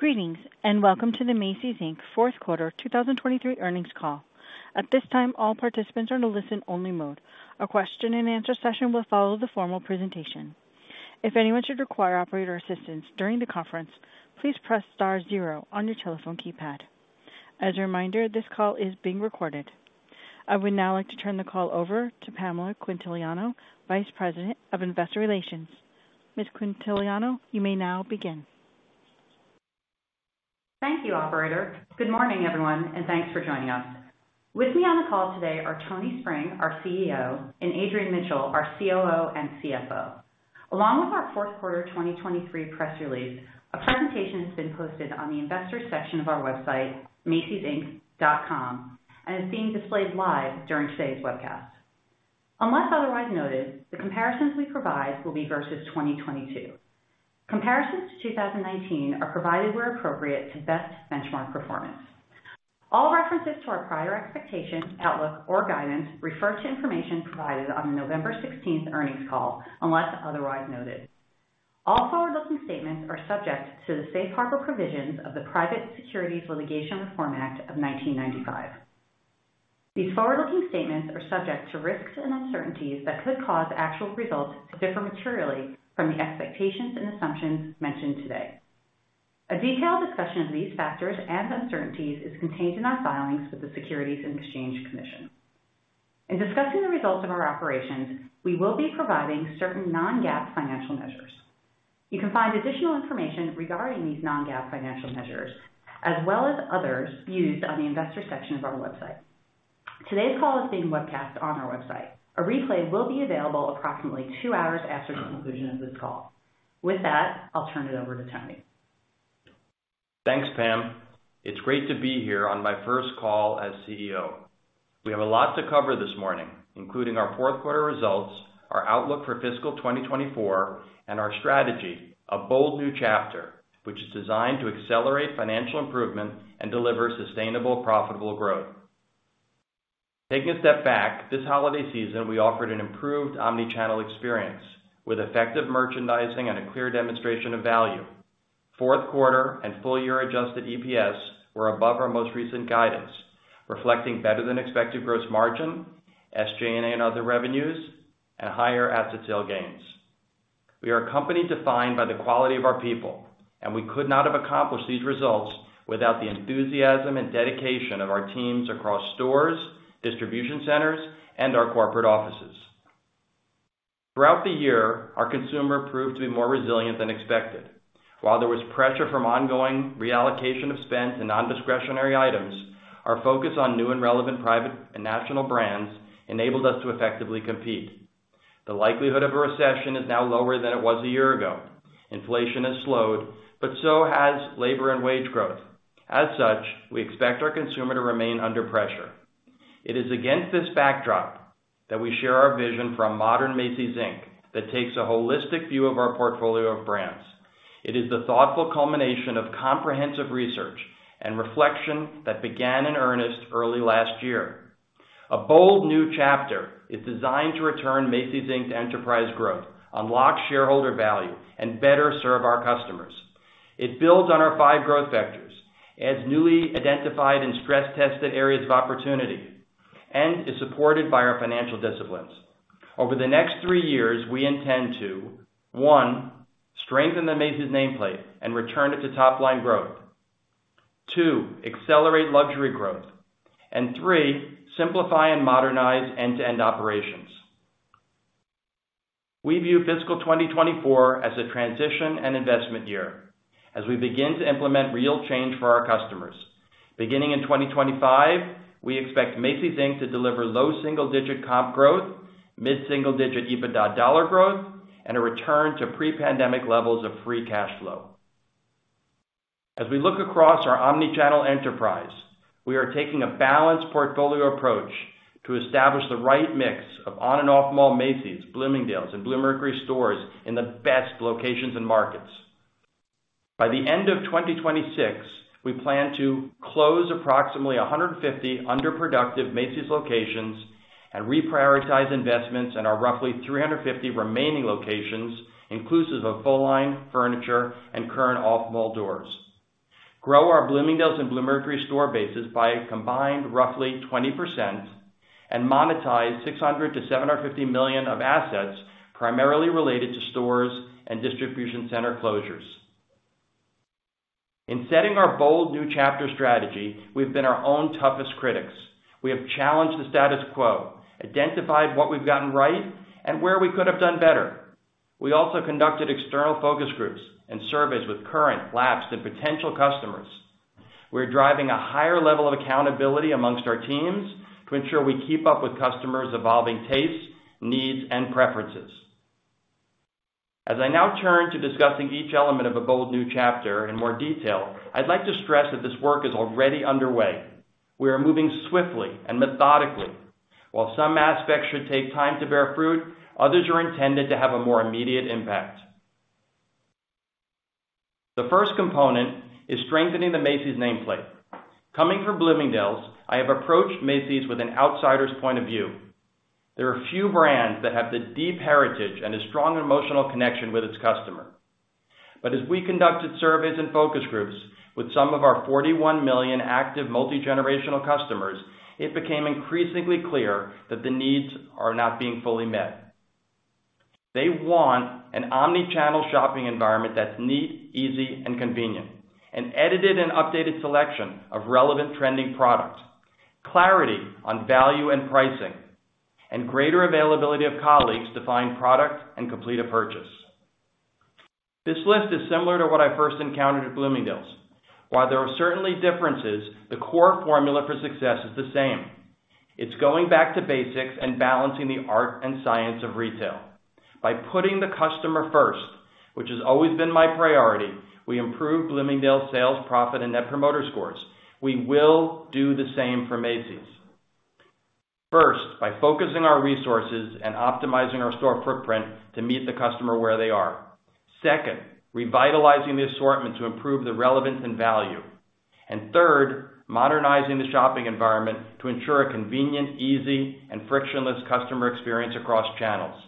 Greetings, and welcome to the Macy's, Inc. Fourth Quarter 2023 earnings call. At this time, all participants are in a listen-only mode. A question-and-answer session will follow the formal presentation. If anyone should require operator assistance during the conference, please press star zero on your telephone keypad. As a reminder, this call is being recorded. I would now like to turn the call over to Pamela Quintiliano, Vice President of Investor Relations. Ms. Quintiliano, you may now begin. Thank you, operator. Good morning, everyone, and thanks for joining us. With me on the call today are Tony Spring, our CEO, and Adrian Mitchell, our COO and CFO. Along with our fourth quarter 2023 press release, a presentation has been posted on the investors section of our website, macysinc.com, and is being displayed live during today's webcast. Unless otherwise noted, the comparisons we provide will be versus 2022. Comparisons to 2019 are provided where appropriate to best benchmark performance. All references to our prior expectations, outlook, or guidance refer to information provided on the November 16 earnings call, unless otherwise noted. All forward-looking statements are subject to the safe harbor provisions of the Private Securities Litigation Reform Act of 1995. These forward-looking statements are subject to risks and uncertainties that could cause actual results to differ materially from the expectations and assumptions mentioned today. A detailed discussion of these factors and uncertainties is contained in our filings with the Securities and Exchange Commission. In discussing the results of our operations, we will be providing certain non-GAAP financial measures. You can find additional information regarding these non-GAAP financial measures, as well as others used on the investor section of our website. Today's call is being webcast on our website. A replay will be available approximately two hours after the conclusion of this call. With that, I'll turn it over to Tony. Thanks, Pam. It's great to be here on my first call as CEO. We have a lot to cover this morning, including our fourth quarter results, our outlook for fiscal 2024, and our strategy, A Bold New Chapter, which is designed to accelerate financial improvement and deliver sustainable, profitable growth. Taking a step back, this holiday season, we offered an improved omni-channel experience with effective merchandising and a clear demonstration of value. Fourth quarter and full year adjusted EPS were above our most recent guidance, reflecting better than expected gross margin, SG&A, and other revenues, and higher asset sale gains. We are a company defined by the quality of our people, and we could not have accomplished these results without the enthusiasm and dedication of our teams across stores, distribution centers, and our corporate offices. Throughout the year, our consumer proved to be more resilient than expected. While there was pressure from ongoing reallocation of spend to non-discretionary items, our focus on new and relevant private and national brands enabled us to effectively compete. The likelihood of a recession is now lower than it was a year ago. Inflation has slowed, but so has labor and wage growth. As such, we expect our consumer to remain under pressure. It is against this backdrop that we share our vision for a modern Macy's, Inc. that takes a holistic view of our portfolio of brands. It is the thoughtful culmination of comprehensive research and reflection that began in earnest early last year. A Bold New Chapter is designed to return Macy's, Inc. to enterprise growth, unlock shareholder value, and better serve our customers. It builds on our five growth vectors as newly identified and stress-tested areas of opportunity and is supported by our financial disciplines. Over the next 3 years, we intend to, 1, strengthen the Macy's nameplate and return it to top-line growth. 2, accelerate luxury growth, and 3, simplify and modernize end-to-end operations. We view fiscal 2024 as a transition and investment year as we begin to implement real change for our customers. Beginning in 2025, we expect Macy's, Inc. to deliver low single-digit comp growth, mid-single-digit EBITDA dollar growth, and a return to pre-pandemic levels of free cash flow. As we look across our omni-channel enterprise, we are taking a balanced portfolio approach to establish the right mix of on and off mall Macy's, Bloomingdale's, and Bluemercury stores in the best locations and markets. By the end of 2026, we plan to close approximately 150 underproductive Macy's locations and reprioritize investments in our roughly 350 remaining locations, inclusive of full-line, furniture, and current off-mall doors, grow our Bloomingdale's and Bluemercury store bases by a combined roughly 20%, and monetize $600 to 750 million of assets, primarily related to stores and distribution center closures. In setting our Bold New Chapter strategy, we've been our own toughest critics. We have challenged the status quo, identified what we've gotten right and where we could have done better. We also conducted external focus groups and surveys with current, lapsed, and potential customers. We're driving a higher level of accountability among our teams to ensure we keep up with customers' evolving tastes, needs, and preferences. As I now turn to discussing each element of A Bold New Chapter in more detail, I'd like to stress that this work is already underway. We are moving swiftly and methodically. While some aspects should take time to bear fruit, others are intended to have a more immediate impact. The first component is strengthening the Macy's nameplate. Coming from Bloomingdale's, I have approached Macy's with an outsider's point of view. There are few brands that have the deep heritage and a strong emotional connection with its customer. But as we conducted surveys and focus groups with some of our 41 million active multigenerational customers, it became increasingly clear that the needs are not being fully met. They want an omni-channel shopping environment that's neat, easy, and convenient, and edited and updated selection of relevant trending products, clarity on value and pricing, and greater availability of colleagues to find product and complete a purchase. This list is similar to what I first encountered at Bloomingdale's. While there are certainly differences, the core formula for success is the same. It's going back to basics and balancing the art and science of retail. By putting the customer first, which has always been my priority, we improved Bloomingdale's sales, profit, and Net Promoter Score. We will do the same for Macy's. First, by focusing our resources and optimizing our store footprint to meet the customer where they are. Second, revitalizing the assortment to improve the relevance and value. And third, modernizing the shopping environment to ensure a convenient, easy and frictionless customer experience across channels.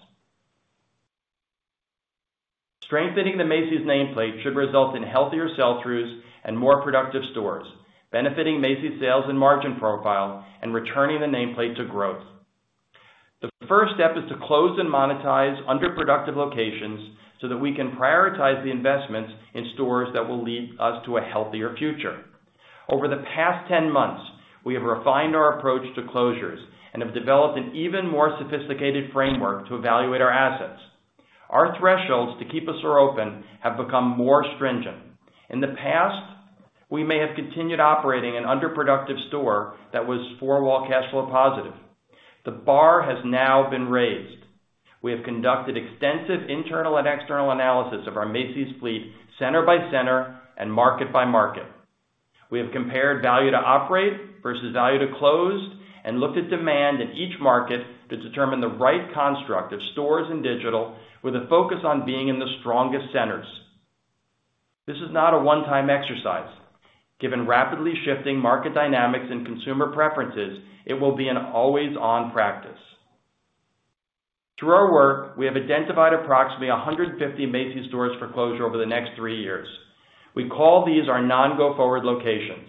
Strengthening the Macy's nameplate should result in healthier sell-throughs and more productive stores, benefiting Macy's sales and margin profile and returning the nameplate to growth. The first step is to close and monetize underproductive locations so that we can prioritize the investments in stores that will lead us to a healthier future. Over the past 10 months, we have refined our approach to closures and have developed an even more sophisticated framework to evaluate our assets. Our thresholds to keep a store open have become more stringent. In the past, we may have continued operating an underproductive store that was four-wall cash flow positive. The bar has now been raised. We have conducted extensive internal and external analysis of our Macy's fleet, center by center and market by market. We have compared value to operate versus value to close, and looked at demand in each market to determine the right construct of stores and digital, with a focus on being in the strongest centers. This is not a one-time exercise. Given rapidly shifting market dynamics and consumer preferences, it will be an always-on practice. Through our work, we have identified approximately 150 Macy's stores for closure over the next three years. We call these our non-go forward locations.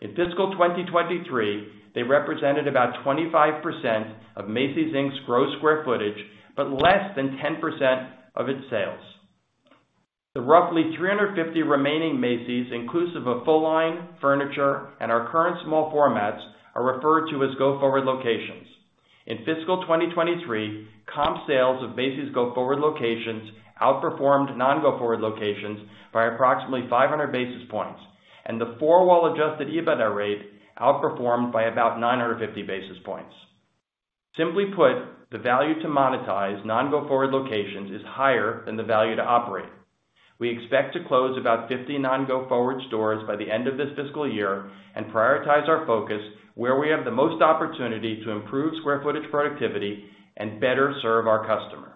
In fiscal 2023, they represented about 25% of Macy's, Inc.'s gross square footage, but less than 10% of its sales. The roughly 350 remaining Macy's, inclusive of full-line, furniture, and our current small formats, are referred to as go-forward locations. In fiscal 2023, comp sales of Macy's go-forward locations outperformed non-go forward locations by approximately 500 basis points, and the four wall adjusted EBITDA rate outperformed by about 950 basis points. Simply put, the value to monetize non-go forward locations is higher than the value to operate. We expect to close about 50 non-go forward stores by the end of this fiscal year and prioritize our focus where we have the most opportunity to improve square footage productivity and better serve our customer.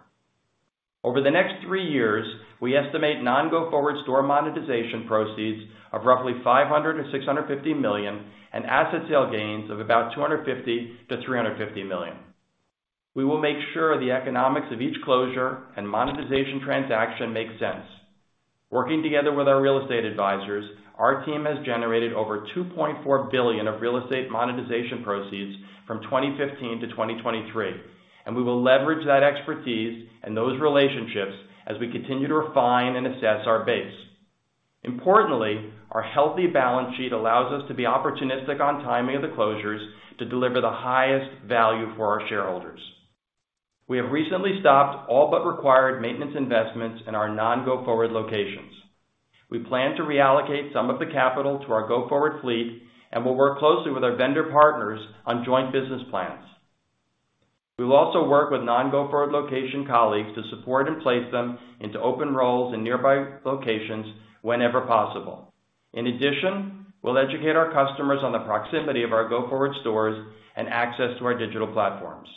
Over the next three years, we estimate non-go forward store monetization proceeds of roughly $500 to 650 million, and asset sale gains of about $250 million to $350 million. We will make sure the economics of each closure and monetization transaction makes sense. Working together with our real estate advisors, our team has generated over $2.4 billion of real estate monetization proceeds from 2015 to 2023, and we will leverage that expertise and those relationships as we continue to refine and assess our base. Importantly, our healthy balance sheet allows us to be opportunistic on timing of the closures to deliver the highest value for our shareholders. We have recently stopped all but required maintenance investments in our non-go-forward locations. We plan to reallocate some of the capital to our go-forward fleet, and we'll work closely with our vendor partners on joint business plans. We'll also work with non-go-forward location colleagues to support and place them into open roles in nearby locations whenever possible. In addition, we'll educate our customers on the proximity of our go-forward stores and access to our digital platforms.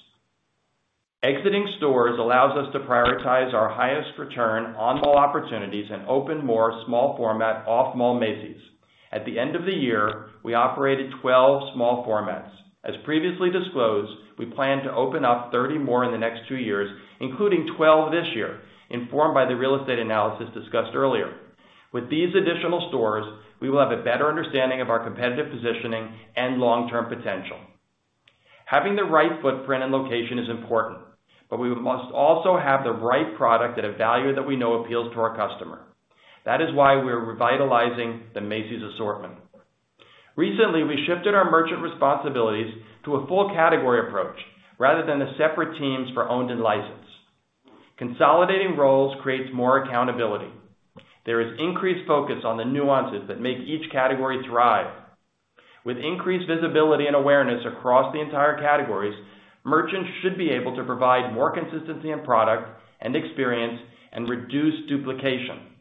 Exiting stores allows us to prioritize our highest return on all opportunities and open more small format off mall Macy's. At the end of the year, we operated 12 small formats. As previously disclosed, we plan to open up 30 more in the next 2 years, including 12 this year, informed by the real estate analysis discussed earlier. With these additional stores, we will have a better understanding of our competitive positioning and long-term potential. Having the right footprint and location is important, but we must also have the right product at a value that we know appeals to our customer. That is why we are revitalizing the Macy's assortment. Recently, we shifted our merchant responsibilities to a full category approach rather than the separate teams for owned and licensed. Consolidating roles creates more accountability. There is increased focus on the nuances that make each category thrive. With increased visibility and awareness across the entire categories, merchants should be able to provide more consistency in product and experience and reduce duplication.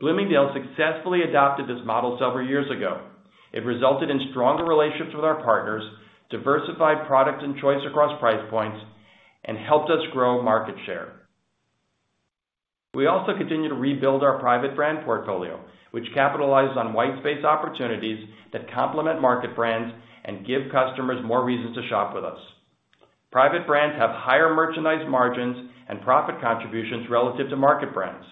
Bloomingdale's successfully adopted this model several years ago. It resulted in stronger relationships with our partners, diversified product and choice across price points, and helped us grow market share.... We also continue to rebuild our private brand portfolio, which capitalizes on white space opportunities that complement market brands and give customers more reasons to shop with us. Private brands have higher merchandise margins and profit contributions relative to market brands.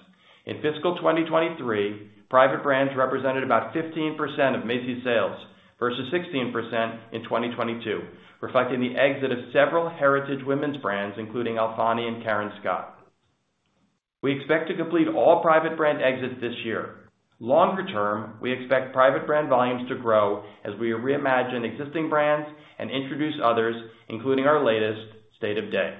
In fiscal 2023, private brands represented about 15% of Macy's sales, versus 16% in 2022, reflecting the exit of several heritage women's brands, including Alfani and Karen Scott. We expect to complete all private brand exits this year. Longer term, we expect private brand volumes to grow as we reimagine existing brands and introduce others, including our latest State of Day.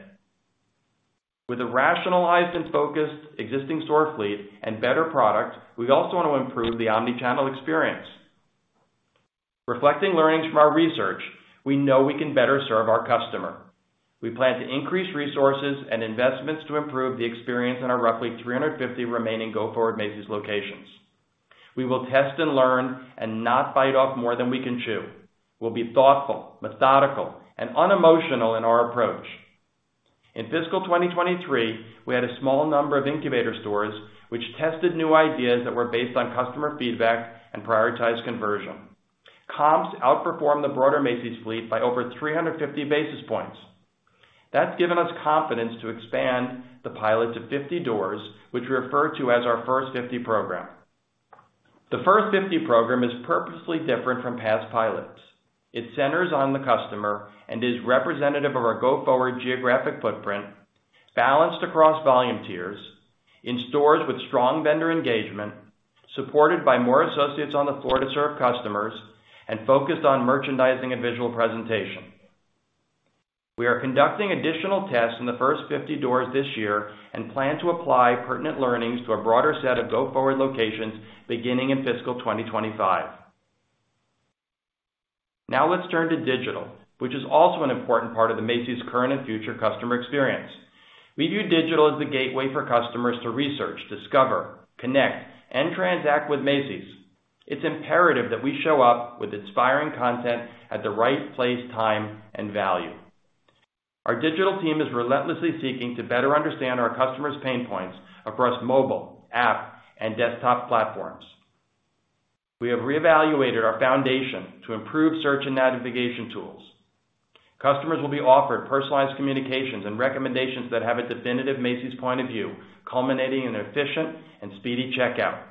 With a rationalized and focused existing store fleet and better product, we also want to improve the omnichannel experience. Reflecting learnings from our research, we know we can better serve our customer. We plan to increase resources and investments to improve the experience in our roughly 350 remaining go-forward Macy's locations. We will test and learn and not bite off more than we can chew. We'll be thoughtful, methodical, and unemotional in our approach. In fiscal 2023, we had a small number of incubator stores, which tested new ideas that were based on customer feedback and prioritized conversion. Comps outperformed the broader Macy's fleet by over 350 basis points. That's given us confidence to expand the pilot to 50 doors, which we refer to as our First 50 Program. The First 50 Program is purposely different from past pilots. It centers on the customer and is representative of our go-forward geographic footprint, balanced across volume tiers, in stores with strong vendor engagement, supported by more associates on the floor to serve customers, and focused on merchandising and visual presentation. We are conducting additional tests in the First 50 doors this year, and plan to apply pertinent learnings to a broader set of go-forward locations beginning in fiscal 2025. Now, let's turn to digital, which is also an important part of the Macy's current and future customer experience. We view digital as the gateway for customers to research, discover, connect, and transact with Macy's. It's imperative that we show up with inspiring content at the right place, time, and value. Our digital team is relentlessly seeking to better understand our customers' pain points across mobile, app, and desktop platforms. We have reevaluated our foundation to improve search and navigation tools. Customers will be offered personalized communications and recommendations that have a definitive Macy's point of view, culminating in an efficient and speedy checkout.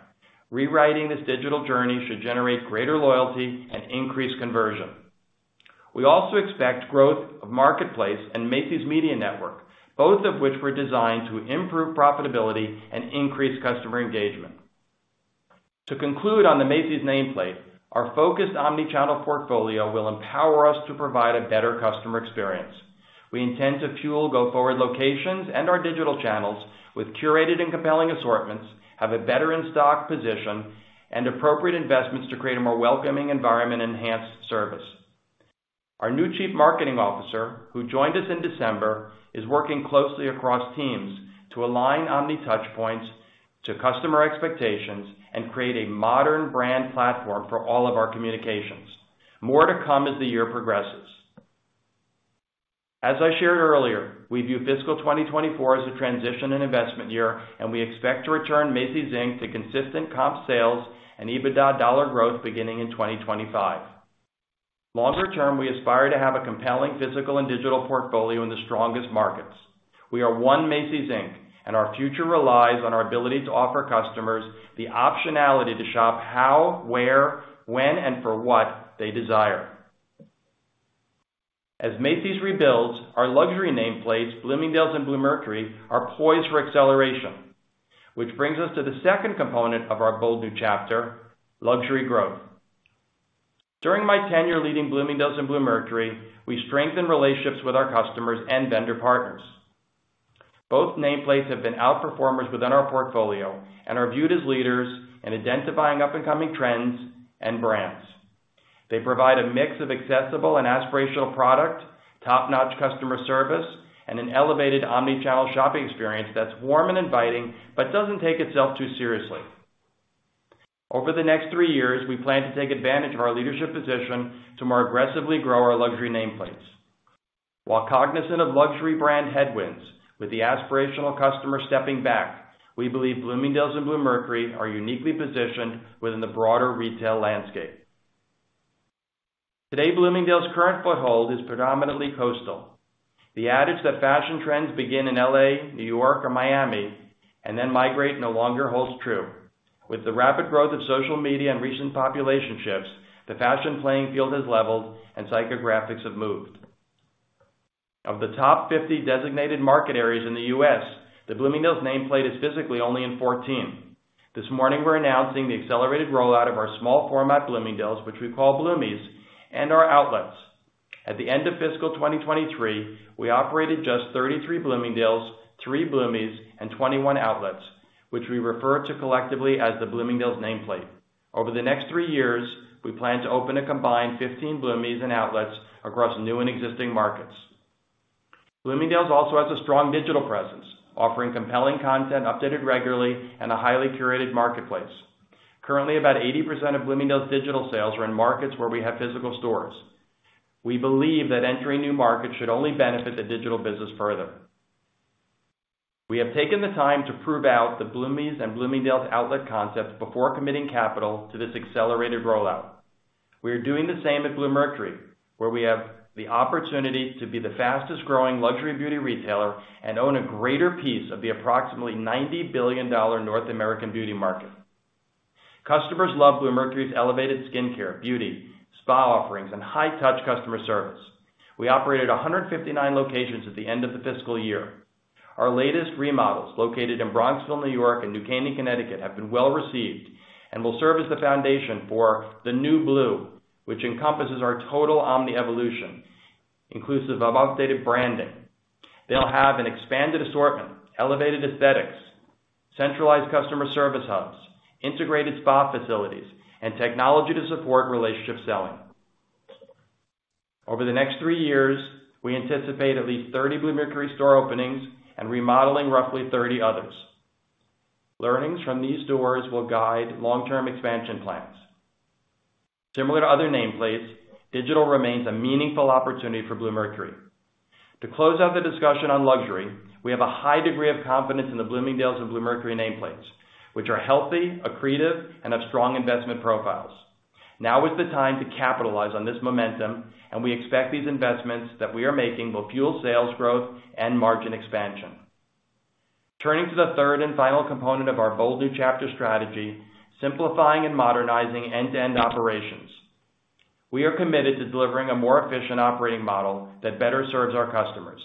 Rewriting this digital journey should generate greater loyalty and increased conversion. We also expect growth of Marketplace and Macy's Media Network, both of which were designed to improve profitability and increase customer engagement. To conclude on the Macy's nameplate, our focused omnichannel portfolio will empower us to provide a better customer experience. We intend to fuel go-forward locations and our digital channels with curated and compelling assortments, have a better in-stock position, and appropriate investments to create a more welcoming environment and enhanced service. Our new Chief Marketing Officer, who joined us in December, is working closely across teams to align omni touch points to customer expectations and create a modern brand platform for all of our communications. More to come as the year progresses. As I shared earlier, we view fiscal 2024 as a transition and investment year, and we expect to return Macy's, Inc. to consistent comp sales and EBITDA dollar growth beginning in 2025. Longer term, we aspire to have a compelling physical and digital portfolio in the strongest markets. We are one Macy's, Inc., and our future relies on our ability to offer customers the optionality to shop, how, where, when, and for what they desire. As Macy's rebuilds, our luxury nameplates, Bloomingdale's and Bluemercury, are poised for acceleration, which brings us to the second component of our bold new chapter, luxury growth. During my tenure leading Bloomingdale's and Bluemercury, we strengthened relationships with our customers and vendor partners. Both nameplates have been outperformers within our portfolio and are viewed as leaders in identifying up-and-coming trends and brands. They provide a mix of accessible and aspirational product, top-notch customer service, and an elevated omnichannel shopping experience that's warm and inviting, but doesn't take itself too seriously. Over the next three years, we plan to take advantage of our leadership position to more aggressively grow our luxury nameplates. While cognizant of luxury brand headwinds, with the aspirational customer stepping back, we believe Bloomingdale's and Bluemercury are uniquely positioned within the broader retail landscape. Today, Bloomingdale's current foothold is predominantly coastal. The adage that fashion trends begin in L.A., New York, or Miami, and then migrate no longer holds true. With the rapid growth of social media and recent population shifts, the fashion playing field has leveled and psychographics have moved. Of the top 50 designated market areas in the U.S., the Bloomingdale's nameplate is physically only in 14. This morning, we're announcing the accelerated rollout of our small format Bloomingdale's, which we call Bloomies, and our outlets. At the end of fiscal 2023, we operated just 33 Bloomingdale's, three Bloomies, and 21 outlets, which we refer to collectively as the Bloomingdale's nameplate. Over the next three years, we plan to open a combined 15 Bloomies and outlets across new and existing markets. Bloomingdale's also has a strong digital presence, offering compelling content, updated regularly, and a highly curated marketplace. Currently, about 80% of Bloomingdale's digital sales are in markets where we have physical stores. We believe that entering new markets should only benefit the digital business further. We have taken the time to prove out the Bloomies and Bloomingdale's outlet concepts before committing capital to this accelerated rollout. We are doing the same at Bluemercury, where we have the opportunity to be the fastest-growing luxury beauty retailer and own a greater piece of the approximately $90 billion North American beauty market. Customers love Bluemercury's elevated skincare, beauty, spa offerings, and high-touch customer service. We operated 159 locations at the end of the fiscal year. Our latest remodels, located in Bronxville, New York, and New Canaan, Connecticut, have been well received and will serve as the foundation for the new Blue, which encompasses our total omni evolution, inclusive of updated branding. They'll have an expanded assortment, elevated aesthetics, centralized customer service hubs, integrated spa facilities, and technology to support relationship selling. Over the next three years, we anticipate at least 30 Bluemercury store openings and remodeling roughly 30 others. Learnings from these stores will guide long-term expansion plans. Similar to other nameplates, digital remains a meaningful opportunity for Bluemercury. To close out the discussion on luxury, we have a high degree of confidence in the Bloomingdale's and Bluemercury nameplates, which are healthy, accretive, and have strong investment profiles. Now is the time to capitalize on this momentum, and we expect these investments that we are making will fuel sales growth and margin expansion. Turning to the third and final component of our bold new chapter strategy, simplifying and modernizing end-to-end operations. We are committed to delivering a more efficient operating model that better serves our customers.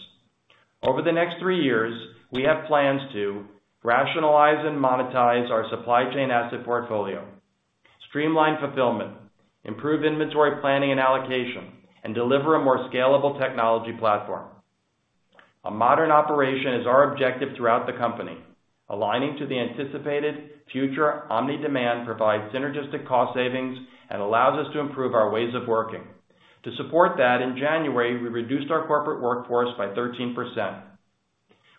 Over the next three years, we have plans to rationalize and monetize our supply chain asset portfolio, streamline fulfillment, improve inventory planning and allocation, and deliver a more scalable technology platform. A modern operation is our objective throughout the company. Aligning to the anticipated future omni demand provides synergistic cost savings and allows us to improve our ways of working. To support that, in January, we reduced our corporate workforce by 13%.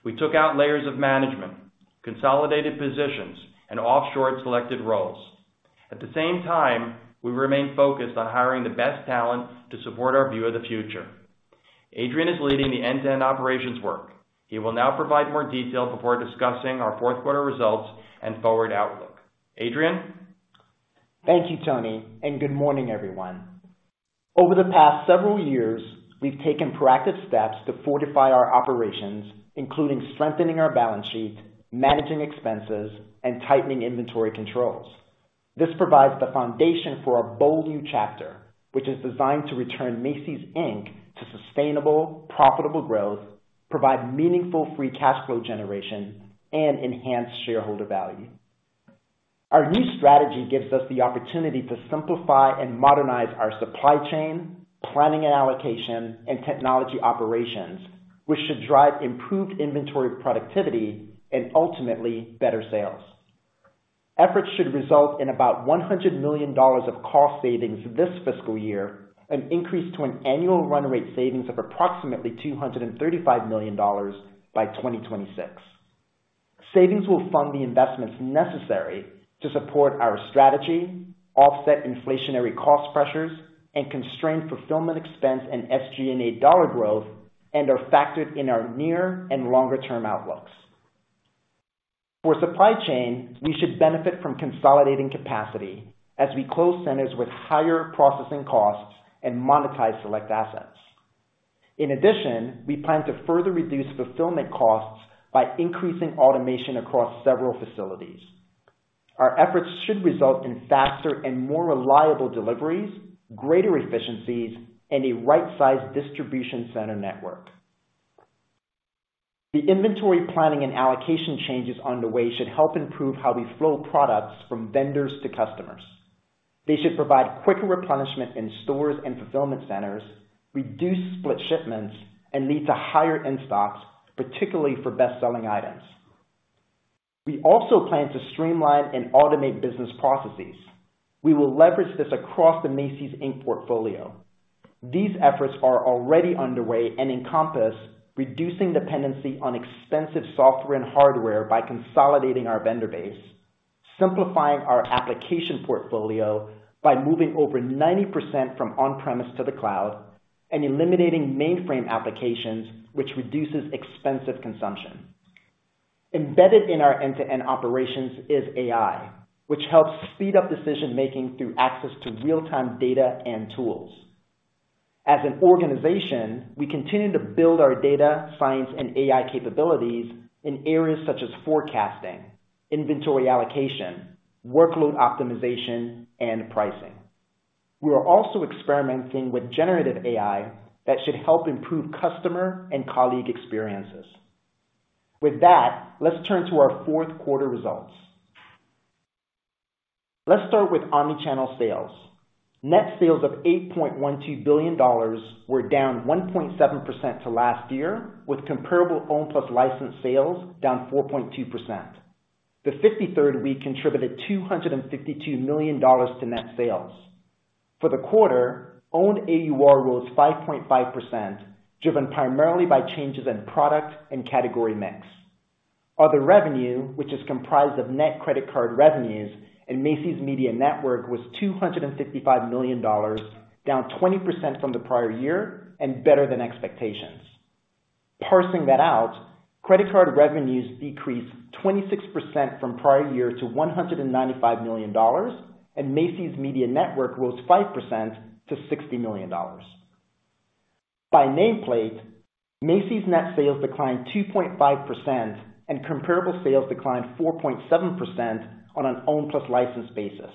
We took out layers of management, consolidated positions, and offshored selected roles. At the same time, we remain focused on hiring the best talent to support our view of the future. Adrian is leading the end-to-end operations work. He will now provide more detail before discussing our fourth quarter results and forward outlook. Adrian? Thank you, Tony, and good morning, everyone. Over the past several years, we've taken proactive steps to fortify our operations, including strengthening our balance sheet, managing expenses, and tightening inventory controls. This provides the foundation for A Bold New Chapter, which is designed to return Macy's, Inc. to sustainable, profitable growth, provide meaningful free cash flow generation, and enhance shareholder value. Our new strategy gives us the opportunity to simplify and modernize our supply chain, planning and allocation, and technology operations, which should drive improved inventory productivity and ultimately better sales. Efforts should result in about $100 million of cost savings this fiscal year, an increase to an annual run rate savings of approximately $235 million by 2026. Savings will fund the investments necessary to support our strategy, offset inflationary cost pressures, and constrain fulfillment expense and SG&A dollar growth and are factored in our near and longer-term outlooks. For supply chain, we should benefit from consolidating capacity as we close centers with higher processing costs and monetize select assets. In addition, we plan to further reduce fulfillment costs by increasing automation across several facilities. Our efforts should result in faster and more reliable deliveries, greater efficiencies, and a right-sized distribution center network. The inventory planning and allocation changes on the way should help improve how we flow products from vendors to customers. They should provide quicker replenishment in stores and fulfillment centers, reduce split shipments, and lead to higher in-stocks, particularly for best-selling items. We also plan to streamline and automate business processes. We will leverage this across the Macy's, Inc. portfolio. These efforts are already underway and encompass reducing dependency on expensive software and hardware by consolidating our vendor base, simplifying our application portfolio by moving over 90% from on-premise to the cloud, and eliminating mainframe applications, which reduces expensive consumption. Embedded in our end-to-end operations is AI, which helps speed up decision-making through access to real-time data and tools. As an organization, we continue to build our data, science, and AI capabilities in areas such as forecasting, inventory allocation, workload optimization, and pricing. We are also experimenting with generative AI that should help improve customer and colleague experiences. With that, let's turn to our fourth quarter results. Let's start with omnichannel sales. Net sales of $8.12 billion were down 1.7% to last year, with comparable owned plus licensed sales down 4.2%. The 53rd week contributed $252 million to net sales. For the quarter, owned AUR rose 5.5%, driven primarily by changes in product and category mix. Other revenue, which is comprised of net credit card revenues and Macy's Media Network, was $255 million, down 20% from the prior year and better than expectations. Parsing that out, credit card revenues decreased 26% from prior year to $195 million, and Macy's Media Network rose 5% to $60 million. By nameplate, Macy's net sales declined 2.5%, and comparable sales declined 4.7% on an owned plus licensed basis.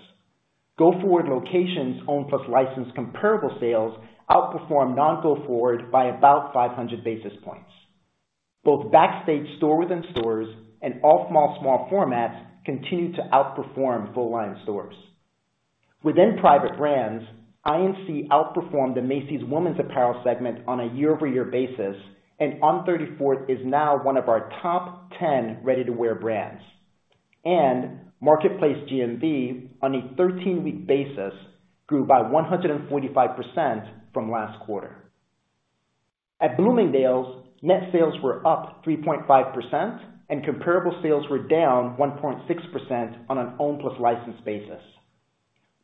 Go forward locations, owned plus licensed comparable sales outperformed non-go forward by about 500 basis points. Both Backstage store-within-stores and off-mall small formats continued to outperform full-line stores. Within private brands, INC outperformed the Macy's women's apparel segment on a year-over-year basis, and On 34th is now one of our top 10 ready-to-wear brands, and Marketplace GMV on a 13-week basis grew by 145% from last quarter. At Bloomingdale's, net sales were up 3.5%, and comparable sales were down 1.6% on an owned plus licensed basis.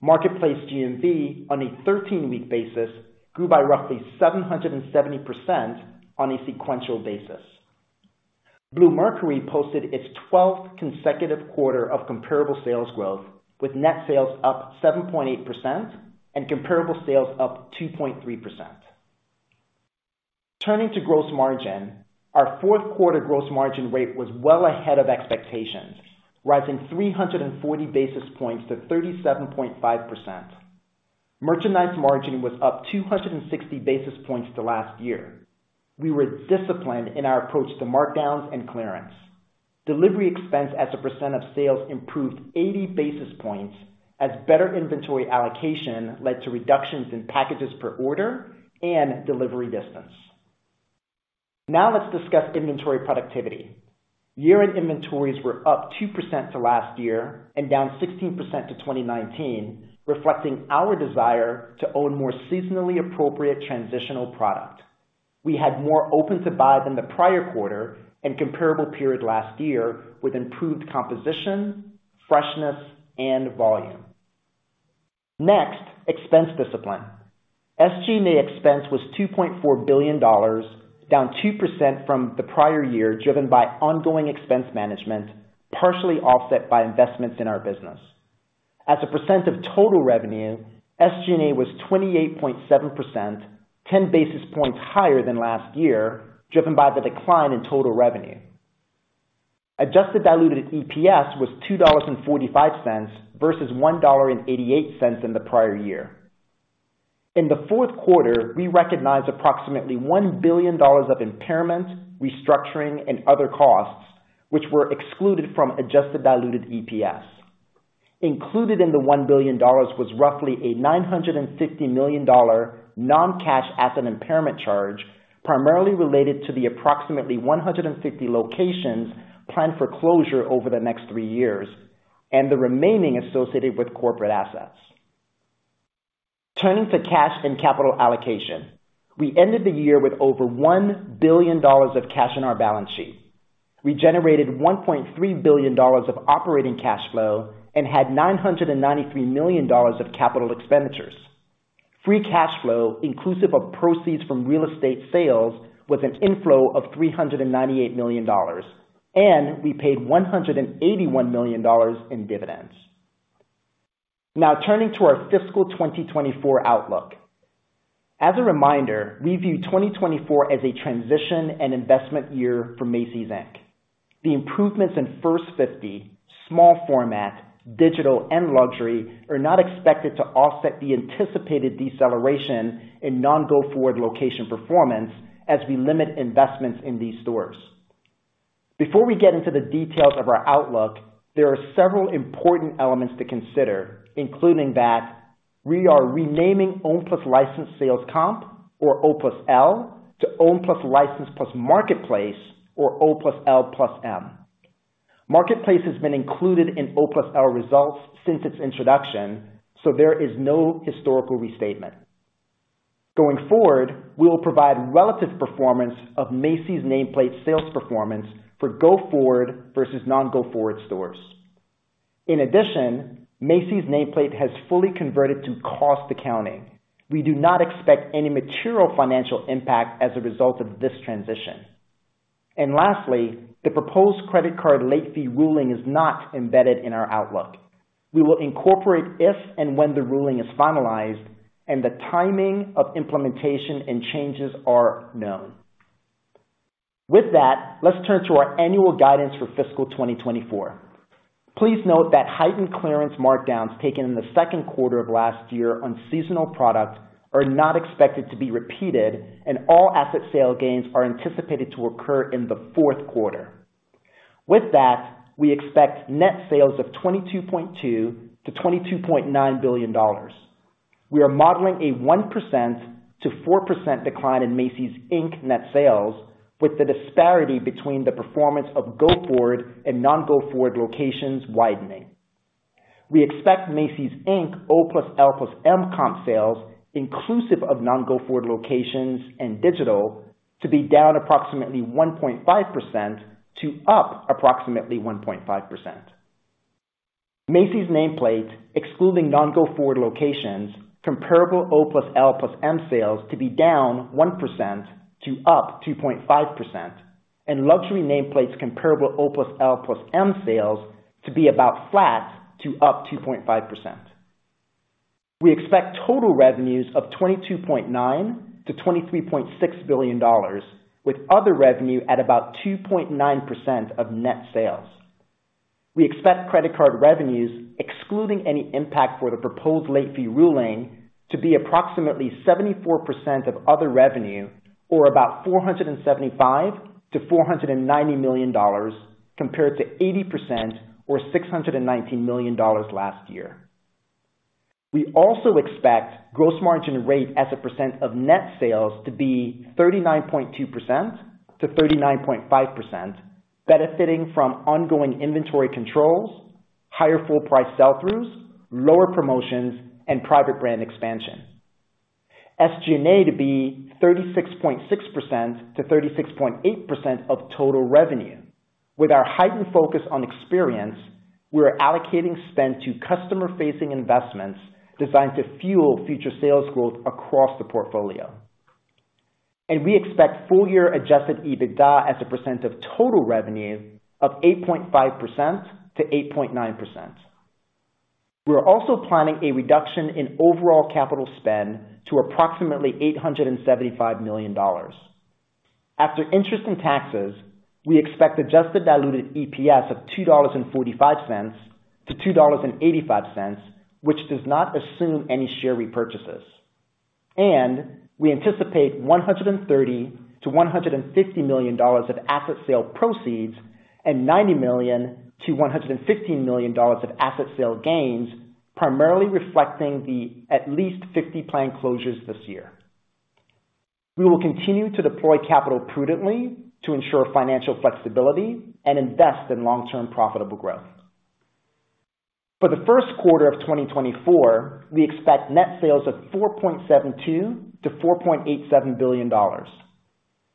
Marketplace GMV on a 13-week basis grew by roughly 770% on a sequential basis. Bluemercury posted its 12th consecutive quarter of comparable sales growth, with net sales up 7.8% and comparable sales up 2.3%. Turning to gross margin, our fourth quarter gross margin rate was well ahead of expectations, rising 340 basis points to 37.5%. Merchandise margin was up 260 basis points to last year. We were disciplined in our approach to markdowns and clearance. Delivery expense as a percent of sales improved 80 basis points, as better inventory allocation led to reductions in packages per order and delivery distance. Now, let's discuss inventory productivity. Year-end inventories were up 2% to last year and down 16% to 2019, reflecting our desire to own more seasonally appropriate transitional product. We had more open to buy than the prior quarter and comparable period last year, with improved composition, freshness, and volume. Next, expense discipline. SG&A expense was $2.4 billion, down 2% from the prior year, driven by ongoing expense management, partially offset by investments in our business. As a percent of total revenue, SG&A was 28.7%, 10 basis points higher than last year, driven by the decline in total revenue. Adjusted diluted EPS was $2.45 versus $1.88 in the prior year. In the fourth quarter, we recognized approximately $1 billion of impairment, restructuring, and other costs, which were excluded from adjusted diluted EPS. Included in the $1 billion was roughly a $950 million non-cash asset impairment charge, primarily related to the approximately 150 locations planned for closure over the next three years, and the remaining associated with corporate assets. Turning to cash and capital allocation. We ended the year with over $1 billion of cash on our balance sheet. We generated $1.3 billion of operating cash flow and had $993 million of capital expenditures. Free cash flow, inclusive of proceeds from real estate sales, was an inflow of $398 million, and we paid $181 million in dividends. Now, turning to our fiscal 2024 outlook. As a reminder, we view 2024 as a transition and investment year for Macy's, Inc. The improvements in first 50 small format, digital and luxury are not expected to offset the anticipated deceleration in non-go forward location performance as we limit investments in these stores. Before we get into the details of our outlook, there are several important elements to consider, including that we are renaming Owned plus Licensed Sales Comp, or O+L, to Owned plus Licensed plus Marketplace, or O+L+M. Marketplace has been included in O+L results since its introduction, so there is no historical restatement. Going forward, we will provide relative performance of Macy's nameplate sales performance for go-forward versus non-go-forward stores. In addition, Macy's nameplate has fully converted to cost accounting. We do not expect any material financial impact as a result of this transition. And lastly, the proposed credit card late fee ruling is not embedded in our outlook. We will incorporate if and when the ruling is finalized, and the timing of implementation and changes are known. With that, let's turn to our annual guidance for fiscal 2024. Please note that heightened clearance markdowns taken in the second quarter of last year on seasonal products are not expected to be repeated, and all asset sale gains are anticipated to occur in the fourth quarter. With that, we expect net sales of $22.2 billion-$22.9 billion. We are modeling a 1% to 4% decline in Macy's, Inc. net sales, with the disparity between the performance of go forward and non-go forward locations widening. We expect Macy's, Inc. O+L+M comp sales, inclusive of non-go-forward locations and digital, to be down approximately 1.5% to up approximately 1.5%. Macy's nameplate, excluding non-go-forward locations, comparable O+L+M sales to be down 1% to up 2.5%, and luxury nameplates comparable O+L+M sales to be about flat to up 2.5%. We expect total revenues of $22.9 billion-$23.6 billion, with other revenue at about 2.9% of net sales. We expect credit card revenues, excluding any impact for the proposed late fee ruling, to be approximately 74% of other revenue, or about $475 to 490 million, compared to 80% or $619 million last year. We also expect gross margin rate as a percent of net sales to be 39.2% to 39.5%, benefiting from ongoing inventory controls, higher full price sell-throughs, lower promotions, and private brand expansion. SG&A to be 36.6% to 36.8% of total revenue. With our heightened focus on experience, we are allocating spend to customer-facing investments designed to fuel future sales growth across the portfolio. We expect full-year adjusted EBITDA as a percent of total revenue of 8.5% to 8.9%. We are also planning a reduction in overall capital spend to approximately $875 million. After interest and taxes, we expect adjusted diluted EPS of $2.45 to 2.85, which does not assume any share repurchases, and we anticipate $130 to 150 million of asset sale proceeds and $90 to 115 million of asset sale gains, primarily reflecting the at least 50 planned closures this year. We will continue to deploy capital prudently to ensure financial flexibility and invest in long-term profitable growth. For the first quarter of 2024, we expect net sales of $4.72to 4.87 billion.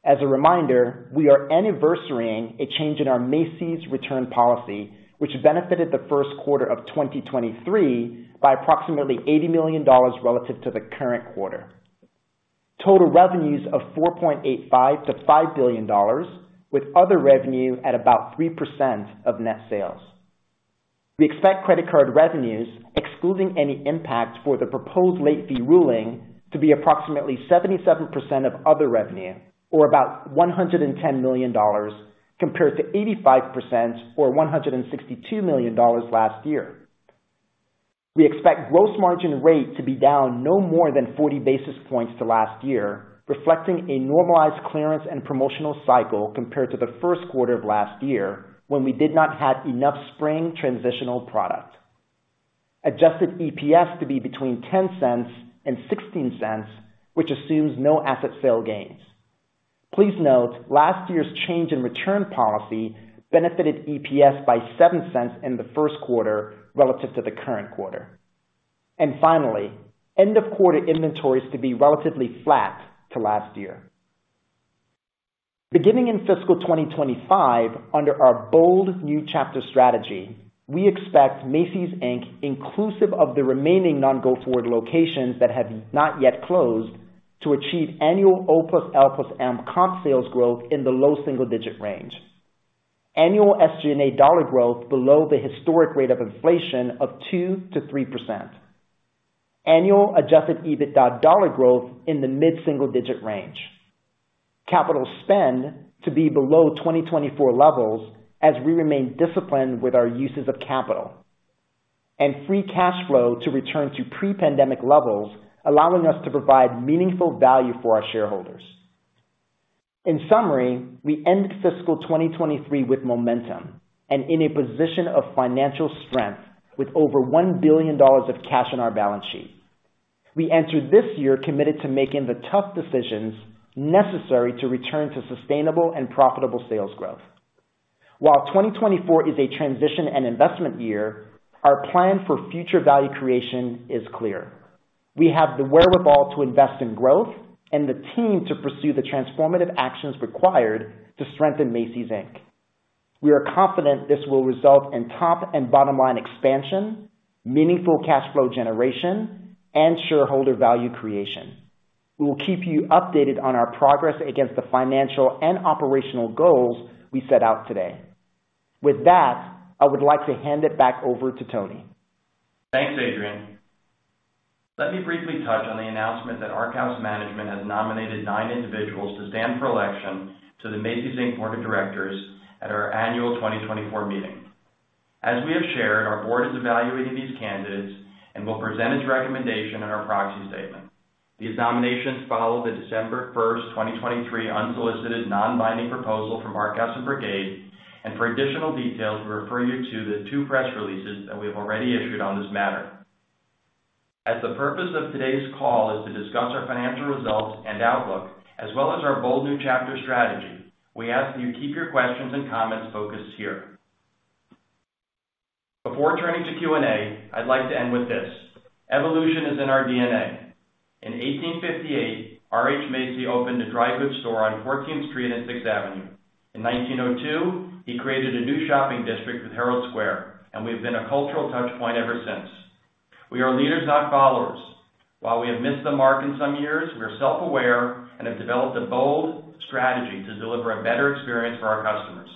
As a reminder, we are anniversarying a change in our Macy's return policy, which benefited the first quarter of 2023 by approximately $80 million relative to the current quarter. Total revenues of $4.85 billion-$5 billion, with other revenue at about 3% of net sales. We expect credit card revenues, excluding any impact for the proposed late fee ruling, to be approximately 77% of other revenue, or about $110 million, compared to 85% or $162 million last year. We expect gross margin rate to be down no more than 40 basis points to last year, reflecting a normalized clearance and promotional cycle compared to the first quarter of last year, when we did not have enough spring transitional product. Adjusted EPS to be between $0.10 and $0.16, which assumes no asset sale gains. Please note, last year's change in return policy benefited EPS by $0.07 in the first quarter relative to the current quarter. Finally, end of quarter inventories to be relatively flat to last year. Beginning in fiscal 2025, under our A Bold New Chapter strategy, we expect Macy's, Inc., inclusive of the remaining non-go forward locations that have not yet closed, to achieve annual O+L+M comp sales growth in the low single digit range. Annual SG&A dollar growth below the historic rate of inflation of 2% to 3%. Annual adjusted EBITDA dollar growth in the mid-single digit range. Capital spend to be below 2024 levels as we remain disciplined with our uses of capital, and free cash flow to return to pre-pandemic levels, allowing us to provide meaningful value for our shareholders. In summary, we end fiscal 2023 with momentum and in a position of financial strength with over $1 billion of cash on our balance sheet. We entered this year committed to making the tough decisions necessary to return to sustainable and profitable sales growth. While 2024 is a transition and investment year, our plan for future value creation is clear. We have the wherewithal to invest in growth and the team to pursue the transformative actions required to strengthen Macy's, Inc. We are confident this will result in top and bottom line expansion, meaningful cash flow generation, and shareholder value creation. We will keep you updated on our progress against the financial and operational goals we set out today. With that, I would like to hand it back over to Tony. Thanks, Adrian. Let me briefly touch on the announcement that Arkhouse Management has nominated nine individuals to stand for election to the Macy's Inc. Board of directors at our annual 2024 meeting. As we have shared, our Board is evaluating these candidates and will present its recommendation in our proxy statement. These nominations follow the December 1, 2023 unsolicited, non-binding proposal from Arkhouse and Brigade, and for additional details, we refer you to the two press releases that we have already issued on this matter. As the purpose of today's call is to discuss our financial results and outlook, as well as our Bold New Chapter strategy, we ask that you keep your questions and comments focused here. Before turning to Q&A, I'd like to end with this: evolution is in our DNA. In 1858, R.H. Macy opened a dry goods store on 14th Street and Sixth Avenue. In 1902, he created a new shopping district with Herald Square, and we've been a cultural touchpoint ever since. We are leaders, not followers. While we have missed the mark in some years, we are self-aware and have developed a bold strategy to deliver a better experience for our customers.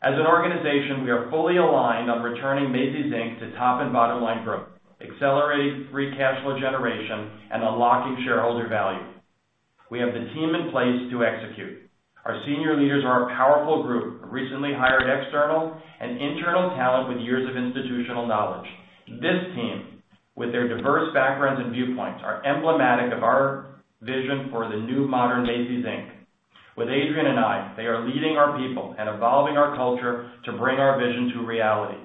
As an organization, we are fully aligned on returning Macy's, Inc. to top and bottom line growth, accelerating free cash flow generation, and unlocking shareholder value. We have the team in place to execute. Our senior leaders are a powerful group of recently hired external and internal talent with years of institutional knowledge. This team, with their diverse backgrounds and viewpoints, are emblematic of our vision for the new modern Macy's, Inc. With Adrian and I, they are leading our people and evolving our culture to bring our vision to reality.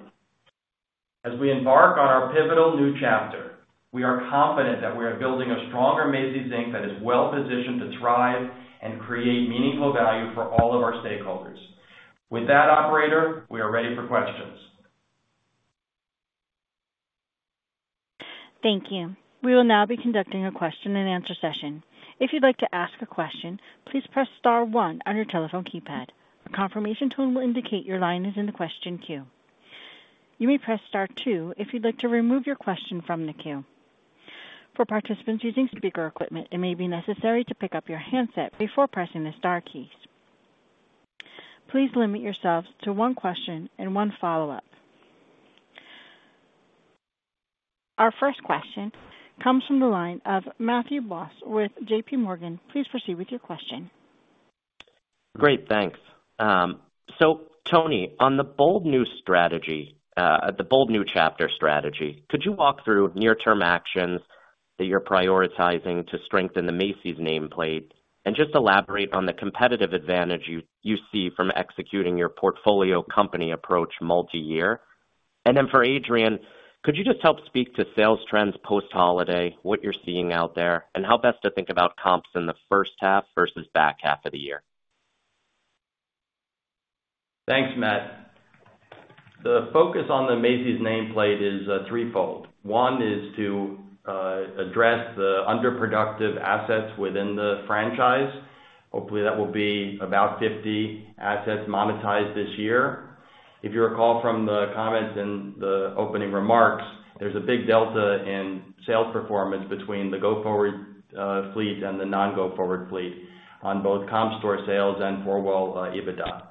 As we embark on our pivotal new chapter, we are confident that we are building a stronger Macy's, Inc. that is well positioned to thrive and create meaningful value for all of our stakeholders. With that, operator, we are ready for questions. Thank you. We will now be conducting a question-and-answer session. If you'd like to ask a question, please press star one on your telephone keypad. A confirmation tone will indicate your line is in the question queue. You may press star two if you'd like to remove your question from the queue. For participants using speaker equipment, it may be necessary to pick up your handset before pressing the star keys. Please limit yourselves to one question and one follow-up. Our first question comes from the line of Matthew Boss with JPMorgan. Please proceed with your question. Great, thanks. So Tony, on the bold new strategy, the Bold New Chapter strategy, could you walk through near-term actions that you're prioritizing to strengthen the Macy's nameplate? And just elaborate on the competitive advantage you, you see from executing your portfolio company approach multi-year? And then for Adrian, could you just help speak to sales trends post-holiday, what you're seeing out there, and how best to think about comps in the first half versus back half of the year? Thanks, Matt. The focus on the Macy's nameplate is threefold. One is to address the underproductive assets within the franchise. Hopefully, that will be about 50 assets monetized this year. If you recall from the comments in the opening remarks, there's a big delta in sales performance between the go-forward fleet and the non-go-forward fleet on both comp store sales and four-wall EBITDA.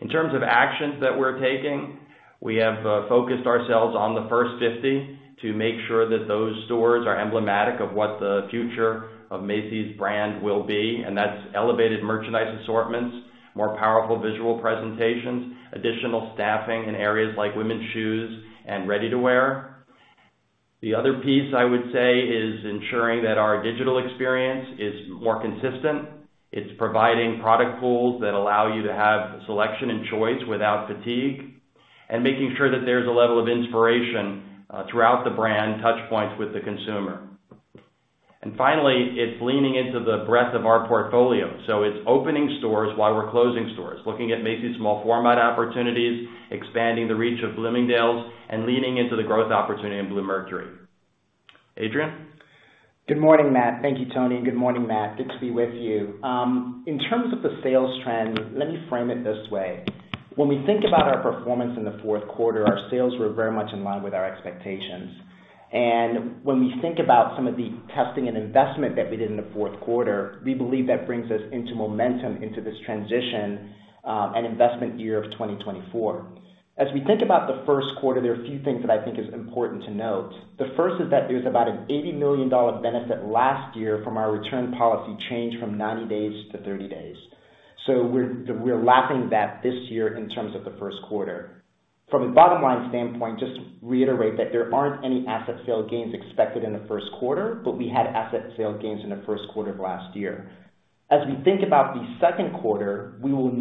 In terms of actions that we're taking, we have focused ourselves on the first 50 to make sure that those stores are emblematic of what the future of Macy's brand will be, and that's elevated merchandise assortments, more powerful visual presentations, additional staffing in areas like women's shoes and ready-to-wear. The other piece, I would say, is ensuring that our digital experience is more consistent. It's providing product pools that allow you to have selection and choice without fatigue and making sure that there's a level of inspiration throughout the brand touchpoints with the consumer. And finally, it's leaning into the breadth of our portfolio. So it's opening stores while we're closing stores, looking at Macy's small format opportunities, expanding the reach of Bloomingdale's and leaning into the growth opportunity in Bluemercury. Adrian? Good morning, Matt. Thank you, Tony. Good morning, Matt, good to be with you. In terms of the sales trend, let me frame it this way. When we think about our performance in the fourth quarter, our sales were very much in line with our expectations. And when we think about some of the testing and investment that we did in the fourth quarter, we believe that brings us into momentum into this transition, and investment year of 2024. As we think about the first quarter, there are a few things that I think is important to note. The first is that there's about an $80 million benefit last year from our return policy change from 90 days to 30 days. So we're, we're lapping that this year in terms of the first quarter. From a bottom-line standpoint, just to reiterate that there aren't any asset sale gains expected in the first quarter, but we had asset sale gains in the first quarter of last year. As we think about the second quarter, we do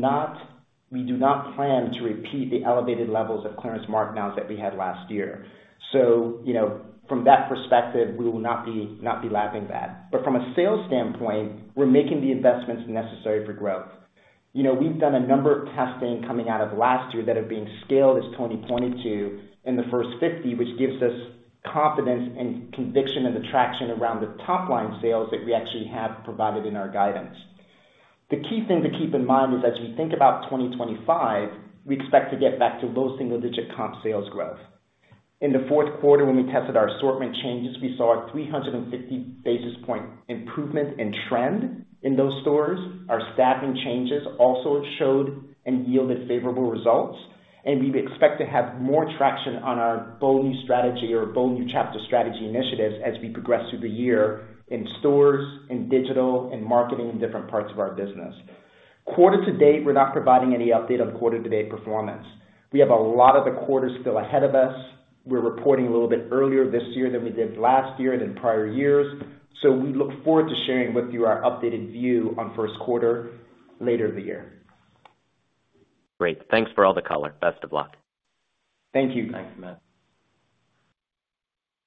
not plan to repeat the elevated levels of clearance markdowns that we had last year. So you know, from that perspective, we will not be lapping that. But from a sales standpoint, we're making the investments necessary for growth. You know, we've done a number of testing coming out of last year that are being scaled, as Tony pointed to, in the first 50, which gives us confidence and conviction and the traction around the top-line sales that we actually have provided in our guidance. The key thing to keep in mind is, as we think about 2025, we expect to get back to low single-digit comp sales growth. In the fourth quarter, when we tested our assortment changes, we saw a 350 basis point improvement in trend in those stores. Our staffing changes also showed and yielded favorable results, and we expect to have more traction on our bold new strategy or Bold New Chapter strategy initiatives as we progress through the year in stores, in digital, in marketing, and different parts of our business. Quarter to date, we're not providing any update on the quarter-to-date performance. We have a lot of the quarters still ahead of us. We're reporting a little bit earlier this year than we did last year and in prior years, so we look forward to sharing with you our updated view on first quarter later this year.... Great. Thanks for all the color. Best of luck. Thank you. Thanks, Matt.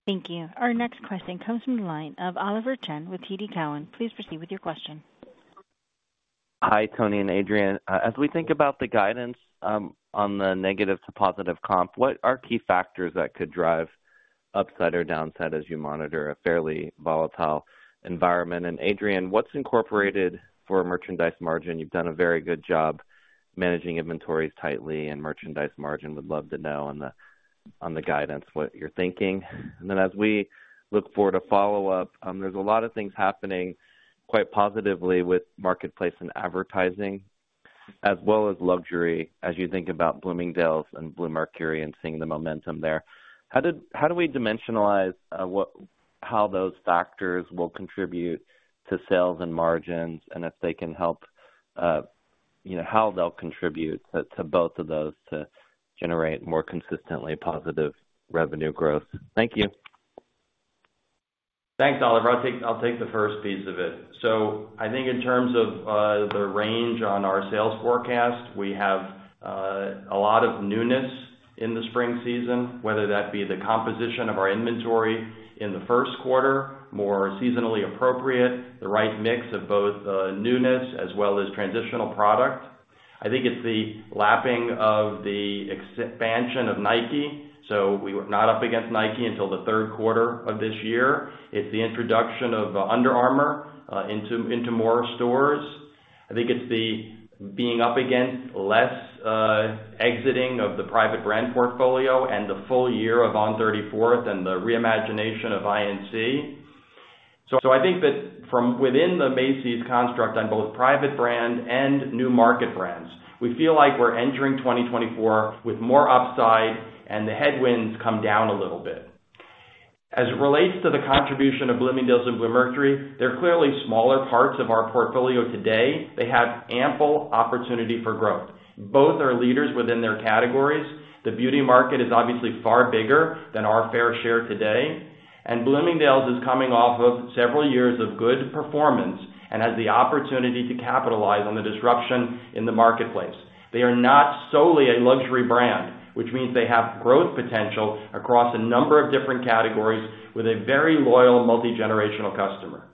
Thank you. Our next question comes from the line of Oliver Chen with TD Cowen. Please proceed with your question. Hi, Tony and Adrian. As we think about the guidance, on the negative to positive comp, what are key factors that could drive upside or downside as you monitor a fairly volatile environment? And Adrian, what's incorporated for merchandise margin? You've done a very good job managing inventories tightly and merchandise margin, would love to know on the, on the guidance, what you're thinking. And then, as we look forward to follow up, there's a lot of things happening quite positively with marketplace and advertising, as well as luxury, as you think about Bloomingdale's and Bluemercury and seeing the momentum there. How do we dimensionalize, how those factors will contribute to sales and margins, and if they can help, you know, how they'll contribute to, to both of those to generate more consistently positive revenue growth? Thank you. Thanks, Oliver. I'll take, I'll take the first piece of it. So I think in terms of the range on our sales forecast, we have a lot of newness in the spring season, whether that be the composition of our inventory in the first quarter, more seasonally appropriate, the right mix of both newness as well as transitional product. I think it's the lapping of the expansion of Nike, so we were not up against Nike until the third quarter of this year. It's the introduction of Under Armour into, into more stores. I think it's the being up against less exiting of the private brand portfolio and the full year of On 34th and the reimagination of INC. So I think that from within the Macy's construct on both private brand and new market brands, we feel like we're entering 2024 with more upside and the headwinds come down a little bit. As it relates to the contribution of Bloomingdale's and Bluemercury, they're clearly smaller parts of our portfolio today. They have ample opportunity for growth. Both are leaders within their categories. The beauty market is obviously far bigger than our fair share today, and Bloomingdale's is coming off of several years of good performance and has the opportunity to capitalize on the disruption in the marketplace. They are not solely a luxury brand, which means they have growth potential across a number of different categories with a very loyal, multigenerational customer.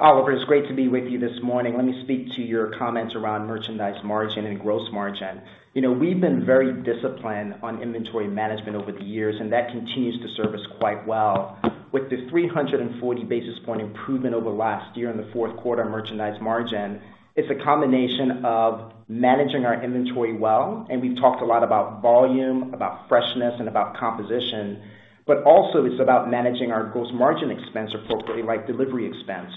Oliver, it's great to be with you this morning. Let me speak to your comments around merchandise margin and gross margin. You know, we've been very disciplined on inventory management over the years, and that continues to serve us quite well. With the 340 basis points improvement over last year in the fourth quarter merchandise margin, it's a combination of managing our inventory well, and we've talked a lot about volume, about freshness, and about composition, but also it's about managing our gross margin expense appropriately, like delivery expense.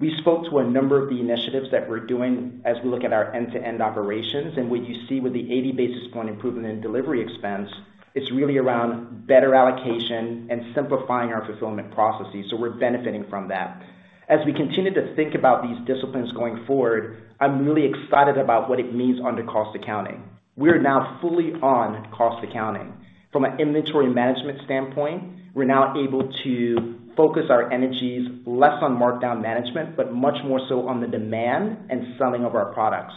We spoke to a number of the initiatives that we're doing as we look at our end-to-end operations, and what you see with the 80 basis points improvement in delivery expense, it's really around better allocation and simplifying our fulfillment processes, so we're benefiting from that. As we continue to think about these disciplines going forward, I'm really excited about what it means under cost accounting. We are now fully on cost accounting. From an inventory management standpoint, we're now able to focus our energies less on markdown management, but much more so on the demand and selling of our products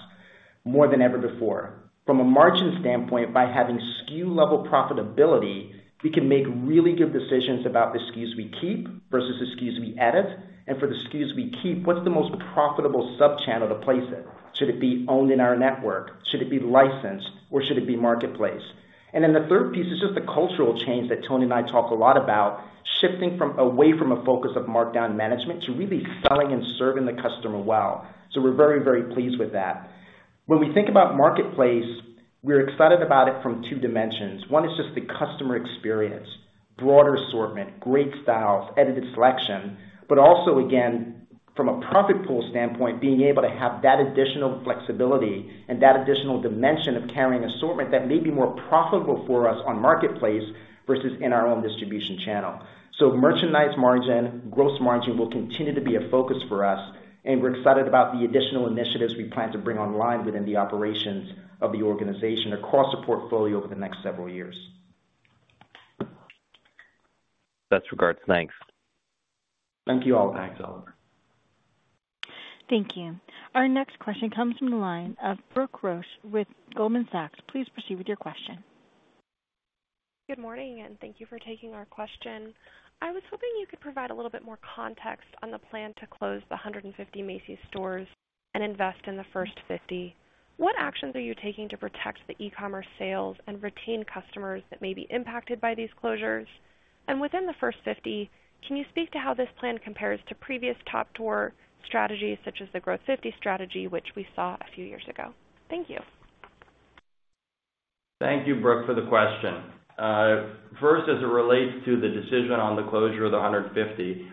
more than ever before. From a margin standpoint, by having SKU-level profitability, we can make really good decisions about the SKUs we keep versus the SKUs we edit. And for the SKUs we keep, what's the most profitable subchannel to place it? Should it be owned in our network? Should it be licensed, or should it be marketplace? And then the third piece is just the cultural change that Tony and I talk a lot about, shifting away from a focus of markdown management to really selling and serving the customer well. So we're very, very pleased with that. When we think about Marketplace, we're excited about it from two dimensions. One is just the customer experience, broader assortment, great styles, edited selection, but also, again, from a profit pool standpoint, being able to have that additional flexibility and that additional dimension of carrying assortment that may be more profitable for us on Marketplace versus in our own distribution channel. So merchandise margin, gross margin will continue to be a focus for us, and we're excited about the additional initiatives we plan to bring online within the operations of the organization across the portfolio over the next several years. Best regards. Thanks. Thank you, Oliver. Thanks, Oliver. Thank you. Our next question comes from the line of Brooke Roach with Goldman Sachs. Please proceed with your question. Good morning, and thank you for taking our question. I was hoping you could provide a little bit more context on the plan to close the 150 Macy's stores and invest in the first 50. What actions are you taking to protect the e-commerce sales and retain customers that may be impacted by these closures? And within the first 50, can you speak to how this plan compares to previous turnaround strategies, such as the Growth 50 strategy, which we saw a few years ago? Thank you. Thank you, Brooke, for the question. First, as it relates to the decision on the closure of the 150,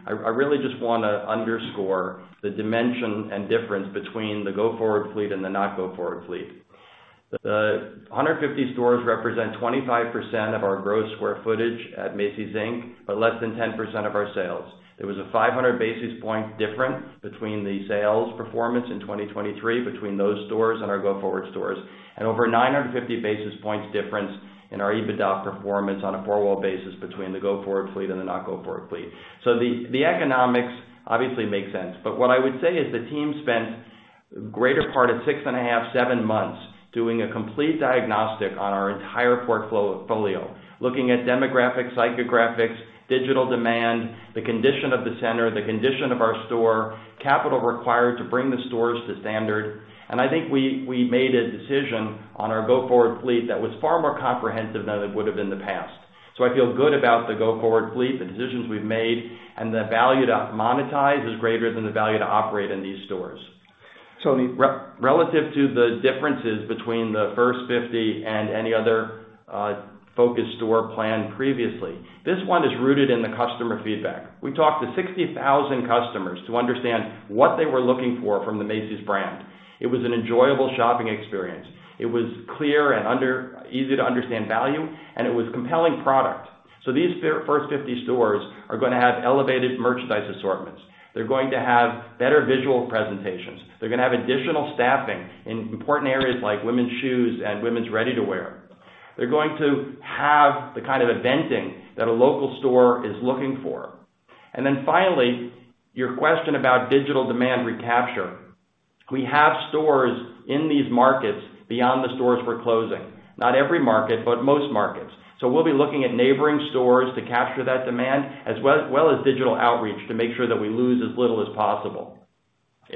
I really just wanna underscore the dimension and difference between the go-forward fleet and the not go-forward fleet. The 150 stores represent 25% of our gross square footage at Macy's, Inc., but less than 10% of our sales. There was a 500 basis point difference between the sales performance in 2023 between those stores and our go-forward stores, and over 950 basis points difference in our EBITDA performance on a four-wall basis between the go-forward fleet and the not go-forward fleet. So the economics obviously make sense, but what I would say is the team spent-... greater part of 6.5 to 7 months, doing a complete diagnostic on our entire portfolio, looking at demographics, psychographics, digital demand, the condition of the center, the condition of our store, capital required to bring the stores to standard. And I think we we made a decision on our go-forward fleet that was far more comprehensive than it would have in the past. So I feel good about the go-forward fleet, the decisions we've made, and the value to monetize is greater than the value to operate in these stores. So relative to the differences between the first 50 and any other focus store plan previously, this one is rooted in the customer feedback. We talked to 60,000 customers to understand what they were looking for from the Macy's brand. It was an enjoyable shopping experience. It was clear and easy to understand value, and it was compelling product. So these first 50 stores are gonna have elevated merchandise assortments. They're going to have better visual presentations. They're gonna have additional staffing in important areas like women's shoes and women's ready-to-wear. They're going to have the kind of events that a local store is looking for. And then finally, your question about digital demand recapture. We have stores in these markets beyond the stores we're closing. Not every market, but most markets. So we'll be looking at neighboring stores to capture that demand, as well as digital outreach to make sure that we lose as little as possible.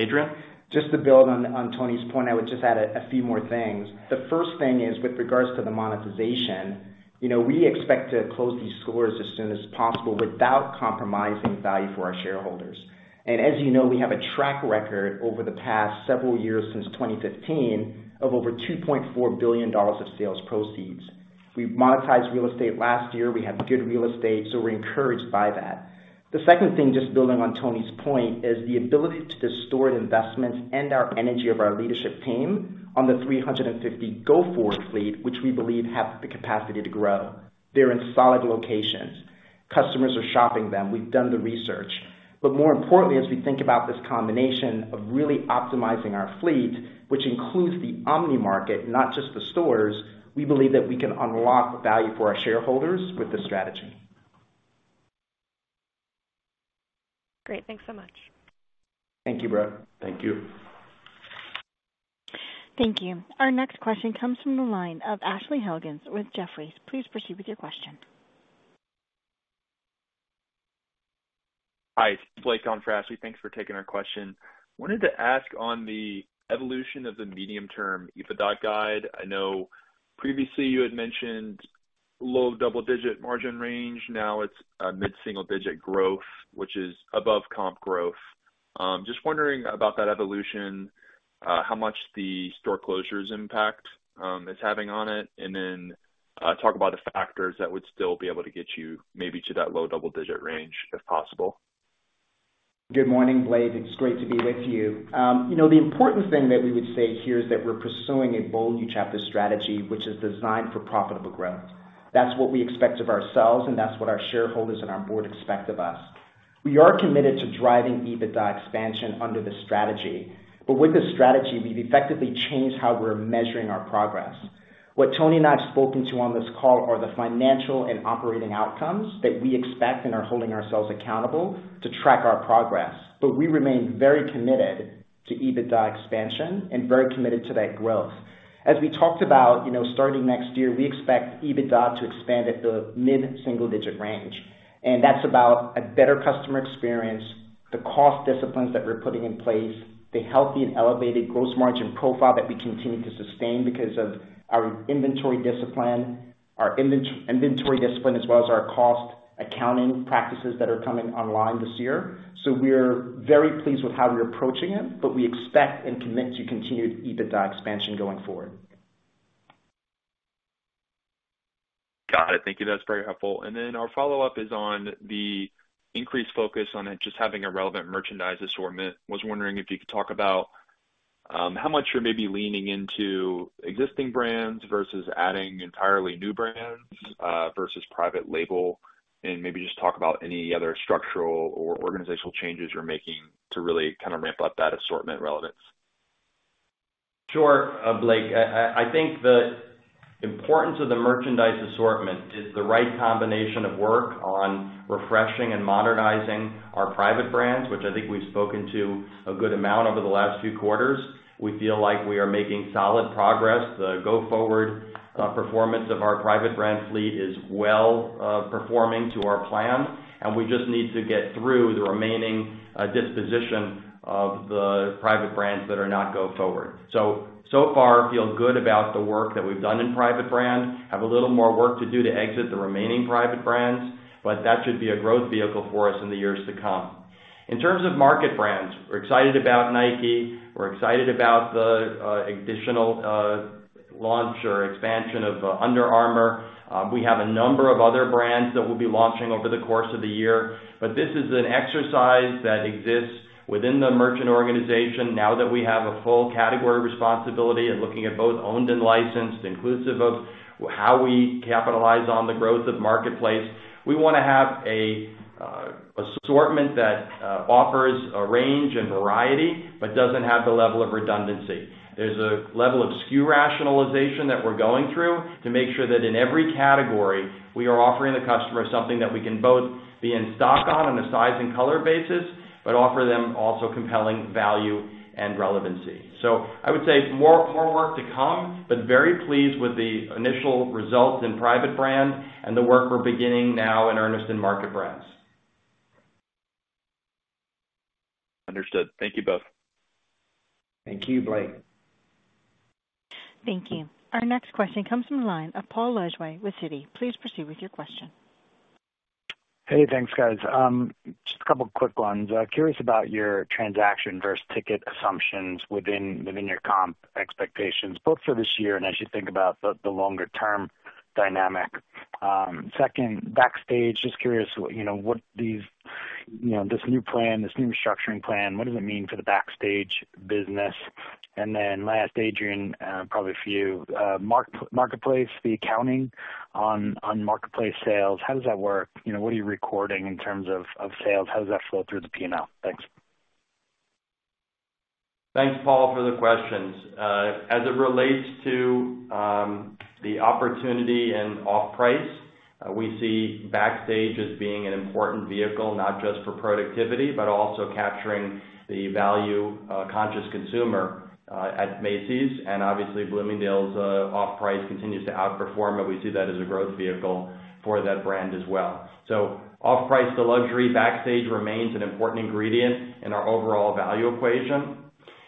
Adrian? Just to build on Tony's point, I would just add a few more things. The first thing is with regards to the monetization, you know, we expect to close these stores as soon as possible without compromising value for our shareholders. And as you know, we have a track record over the past several years, since 2015, of over $2.4 billion of sales proceeds. We've monetized real estate last year. We have good real estate, so we're encouraged by that. The second thing, just building on Tony's point, is the ability to distort investments and our energy of our leadership team on the 350 go-forward fleet, which we believe have the capacity to grow. They're in solid locations. Customers are shopping them. We've done the research. More importantly, as we think about this combination of really optimizing our fleet, which includes the omni market, not just the stores, we believe that we can unlock value for our shareholders with this strategy. Great. Thanks so much. Thank you, Brooke. Thank you. Thank you. Our next question comes from the line of Ashley Helgans with Jefferies. Please proceed with your question. Hi, Blake on for Ashley. Thanks for taking our question. Wanted to ask on the evolution of the medium-term EBITDA guide. I know previously you had mentioned low double-digit margin range. Now it's a mid-single digit growth, which is above comp growth. Just wondering about that evolution, how much the store closures impact is having on it, and then talk about the factors that would still be able to get you maybe to that low double-digit range, if possible. Good morning, Blake. It's great to be with you. You know, the important thing that we would say here is that we're pursuing a Bold New Chapter strategy, which is designed for profitable growth. That's what we expect of ourselves, and that's what our shareholders and our board expect of us. We are committed to driving EBITDA expansion under this strategy, but with this strategy, we've effectively changed how we're measuring our progress. What Tony and I have spoken to on this call are the financial and operating outcomes that we expect and are holding ourselves accountable to track our progress. But we remain very committed to EBITDA expansion and very committed to that growth. As we talked about, you know, starting next year, we expect EBITDA to expand at the mid-single digit range, and that's about a better customer experience, the cost disciplines that we're putting in place, the healthy and elevated gross margin profile that we continue to sustain because of our inventory discipline, as well as our cost accounting practices that are coming online this year. So we're very pleased with how we're approaching it, but we expect and commit to continued EBITDA expansion going forward. Got it. Thank you. That's very helpful. And then our follow-up is on the increased focus on just having a relevant merchandise assortment. Was wondering if you could talk about how much you're maybe leaning into existing brands versus adding entirely new brands versus private label, and maybe just talk about any other structural or organizational changes you're making to really kind of ramp up that assortment relevance? Sure, Blake. I think the importance of the merchandise assortment is the right combination of work on refreshing and modernizing our private brands, which I think we've spoken to a good amount over the last few quarters. We feel like we are making solid progress. The go-forward performance of our private brand fleet is well performing to our plan, and we just need to get through the remaining disposition of the private brands that are not go forward. So far, feel good about the work that we've done in private brand. Have a little more work to do to exit the remaining private brands, but that should be a growth vehicle for us in the years to come. In terms of market brands, we're excited about Nike, we're excited about the additional launch or expansion of Under Armour. We have a number of other brands that we'll be launching over the course of the year, but this is an exercise that exists within the merchant organization. Now that we have a full category responsibility and looking at both owned and licensed, inclusive of how we capitalize on the growth of marketplace, we wanna have a assortment that offers a range and variety, but doesn't have the level of redundancy. There's a level of SKU rationalization that we're going through to make sure that in every category, we are offering the customer something that we can both be in stock on, on a size and color basis, but offer them also compelling value and relevancy. So I would say more, more work to come, but very pleased with the initial results in private brand and the work we're beginning now in earnest in market brands. Understood. Thank you both. Thank you, Blake. Thank you. Our next question comes from the line of Paul Lejuez with Citi. Please proceed with your question. Hey, thanks, guys. Just a couple quick ones. Curious about your transaction versus ticket assumptions within your comp expectations, both for this year and as you think about the longer term dynamic. Second, Backstage, just curious, you know, what these, you know, this new plan, this new structuring plan, what does it mean for the Backstage business? And then last, Adrian, probably for you, marketplace, the accounting on marketplace sales, how does that work? You know, what are you recording in terms of sales? How does that flow through the P&L? Thanks. Thanks, Paul, for the questions. As it relates to the opportunity and off-price, we see Backstage as being an important vehicle, not just for productivity, but also capturing the value-conscious consumer at Macy's, and obviously, Bloomingdale's off-price continues to outperform, and we see that as a growth vehicle for that brand as well. So off-price to luxury, Backstage remains an important ingredient in our overall value equation.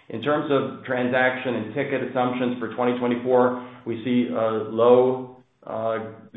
In terms of transaction and ticket assumptions for 2024, we see a low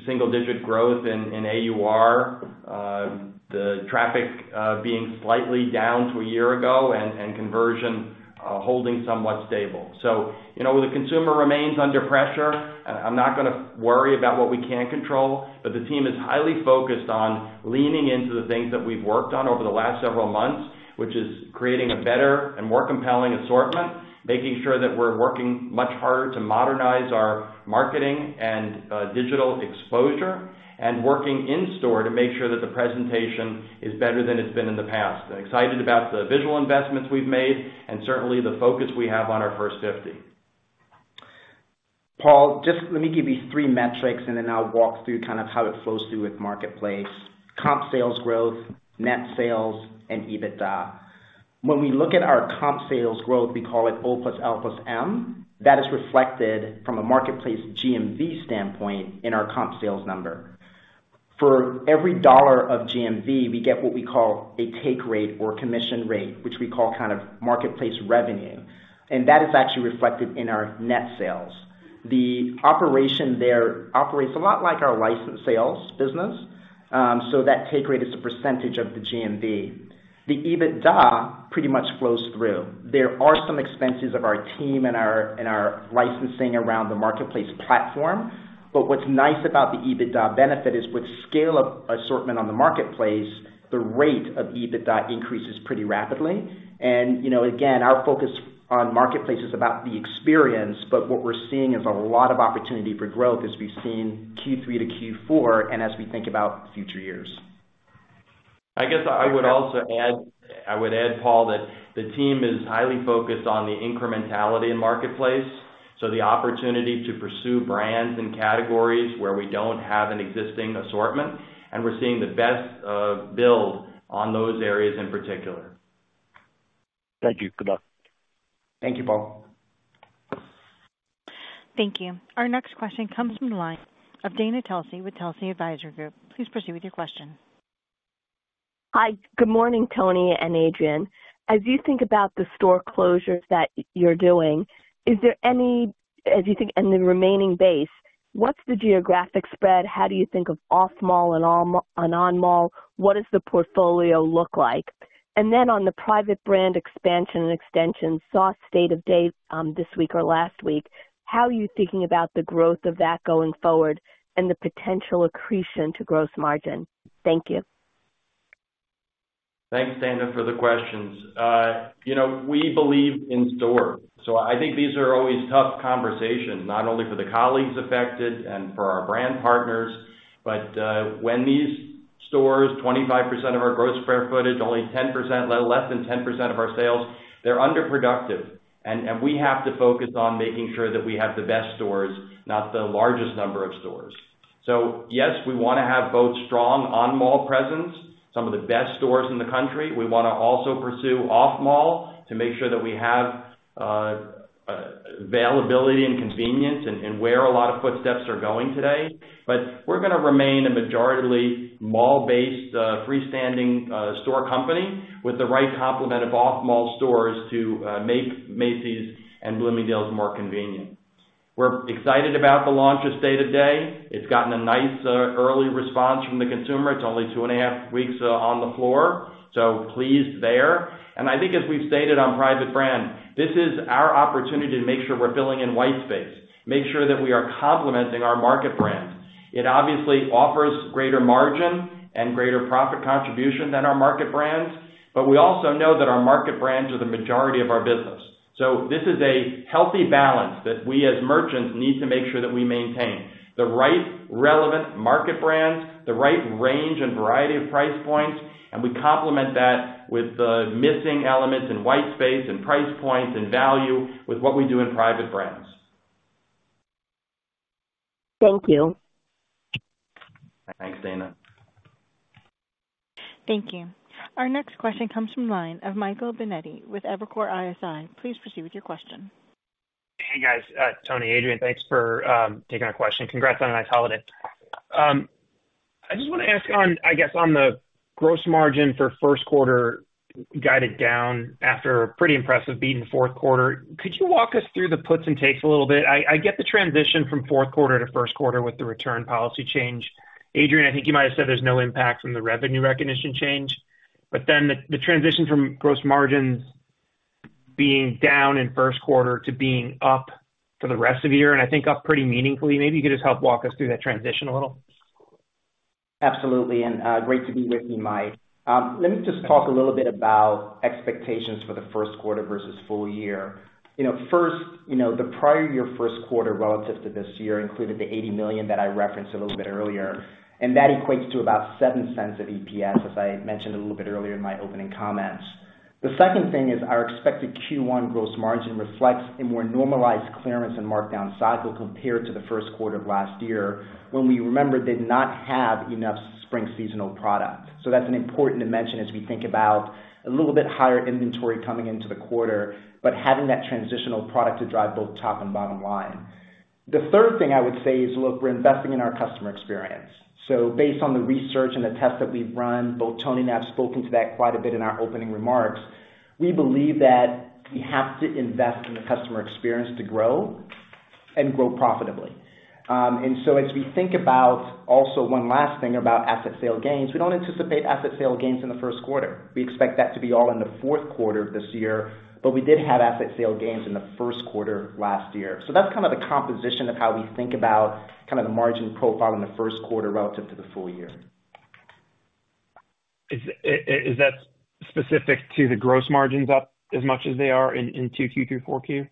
single-digit growth in AUR, the traffic being slightly down to a year ago and conversion holding somewhat stable. So, you know, the consumer remains under pressure. I'm not gonna worry about what we can't control, but the team is highly focused on leaning into the things that we've worked on over the last several months, which is creating a better and more compelling assortment, making sure that we're working much harder to modernize our marketing and digital exposure, and working in store to make sure that the presentation is better than it's been in the past. And excited about the visual investments we've made, and certainly the focus we have on our first 50. Paul, just let me give you three metrics, and then I'll walk through kind of how it flows through with Marketplace: Comp Sales growth, net sales and EBITDA. When we look at our Comp Sales growth, we call it O+L+M. That is reflected from a Marketplace GMV standpoint in our Comp Sales number. For every dollar of GMV, we get what we call a take rate or commission rate, which we call kind of Marketplace revenue, and that is actually reflected in our net sales. The operation there operates a lot like our licensed sales business, so that take rate is a percentage of the GMV. The EBITDA pretty much flows through. There are some expenses of our team and our licensing around the marketplace platform, but what's nice about the EBITDA benefit is with scale of assortment on the marketplace, the rate of EBITDA increases pretty rapidly. And, you know, again, our focus on marketplace is about the experience, but what we're seeing is a lot of opportunity for growth as we've seen Q3 to Q4, and as we think about future years. I guess I would also add, I would add, Paul, that the team is highly focused on the incrementality in marketplace, so the opportunity to pursue brands and categories where we don't have an existing assortment, and we're seeing the best, build on those areas in particular. Thank you. Good luck. Thank you, Paul. Thank you. Our next question comes from the line of Dana Telsey with Telsey Advisory Group. Please proceed with your question. Hi, good morning, Tony and Adrian. As you think about the store closures that you're doing, and the remaining base, what's the geographic spread? How do you think of off-mall and on-mall? What does the portfolio look like? And then on the private brand expansion and extension, saw State of Day this week or last week, how are you thinking about the growth of that going forward and the potential accretion to gross margin? Thank you. Thanks, Dana, for the questions. You know, we believe in store, so I think these are always tough conversations, not only for the colleagues affected and for our brand partners, but when these stores, 25% of our gross square footage, only 10%, less than 10% of our sales, they're underproductive, and we have to focus on making sure that we have the best stores, not the largest number of stores. So yes, we wanna have both strong on-mall presence, some of the best stores in the country. We wanna also pursue off-mall to make sure that we have availability and convenience and where a lot of footsteps are going today. But we're gonna remain a majoritively mall-based, freestanding, store company with the right complement of off-mall stores to make Macy's and Bloomingdale's more convenient. We're excited about the launch of State of Day. It's gotten a nice, early response from the consumer. It's only 2.5 weeks on the floor, so pleased there. And I think as we've stated on private brand, this is our opportunity to make sure we're filling in white space, make sure that we are complementing our market brand. It obviously offers greater margin and greater profit contribution than our market brands, but we also know that our market brands are the majority of our business. So this is a healthy balance that we, as merchants, need to make sure that we maintain. The right relevant market brands, the right range and variety of price points, and we complement that with the missing elements in white space and price points and value with what we do in private brands. Thank you. Thanks, Dana. Thank you. Our next question comes from the line of Michael Binetti with Evercore ISI. Please proceed with your question.... Hey, guys. Tony, Adrian, thanks for taking our question. Congrats on a nice holiday. I just wanna ask on, I guess, on the gross margin for first quarter, guided down after a pretty impressive beat in the fourth quarter. Could you walk us through the puts and takes a little bit? I get the transition from fourth quarter to first quarter with the return policy change. Adrian, I think you might have said there's no impact from the revenue recognition change, but then the transition from gross margins being down in first quarter to being up for the rest of the year, and I think up pretty meaningfully, maybe you could just help walk us through that transition a little? Absolutely, and, great to be with you, Mike. Let me just talk a little bit about expectations for the first quarter versus full year. You know, first, you know, the prior year first quarter relative to this year included the $80 million that I referenced a little bit earlier, and that equates to about $0.07 of EPS, as I mentioned a little bit earlier in my opening comments. The second thing is our expected Q1 gross margin reflects a more normalized clearance and markdown cycle compared to the first quarter of last year, when we remember, did not have enough spring seasonal product. So that's an important dimension as we think about a little bit higher inventory coming into the quarter, but having that transitional product to drive both top and bottom line. The third thing I would say is, look, we're investing in our customer experience. So based on the research and the tests that we've run, both Tony and I have spoken to that quite a bit in our opening remarks, we believe that we have to invest in the customer experience to grow and grow profitably. And so as we think about, also one last thing about asset sale gains, we don't anticipate asset sale gains in the first quarter. We expect that to be all in the fourth quarter of this year, but we did have asset sale gains in the first quarter last year. So that's kind of the composition of how we think about kind of the margin profile in the first quarter relative to the full year. Is that specific to the gross margins up as much as they are in 2Q through 4Q?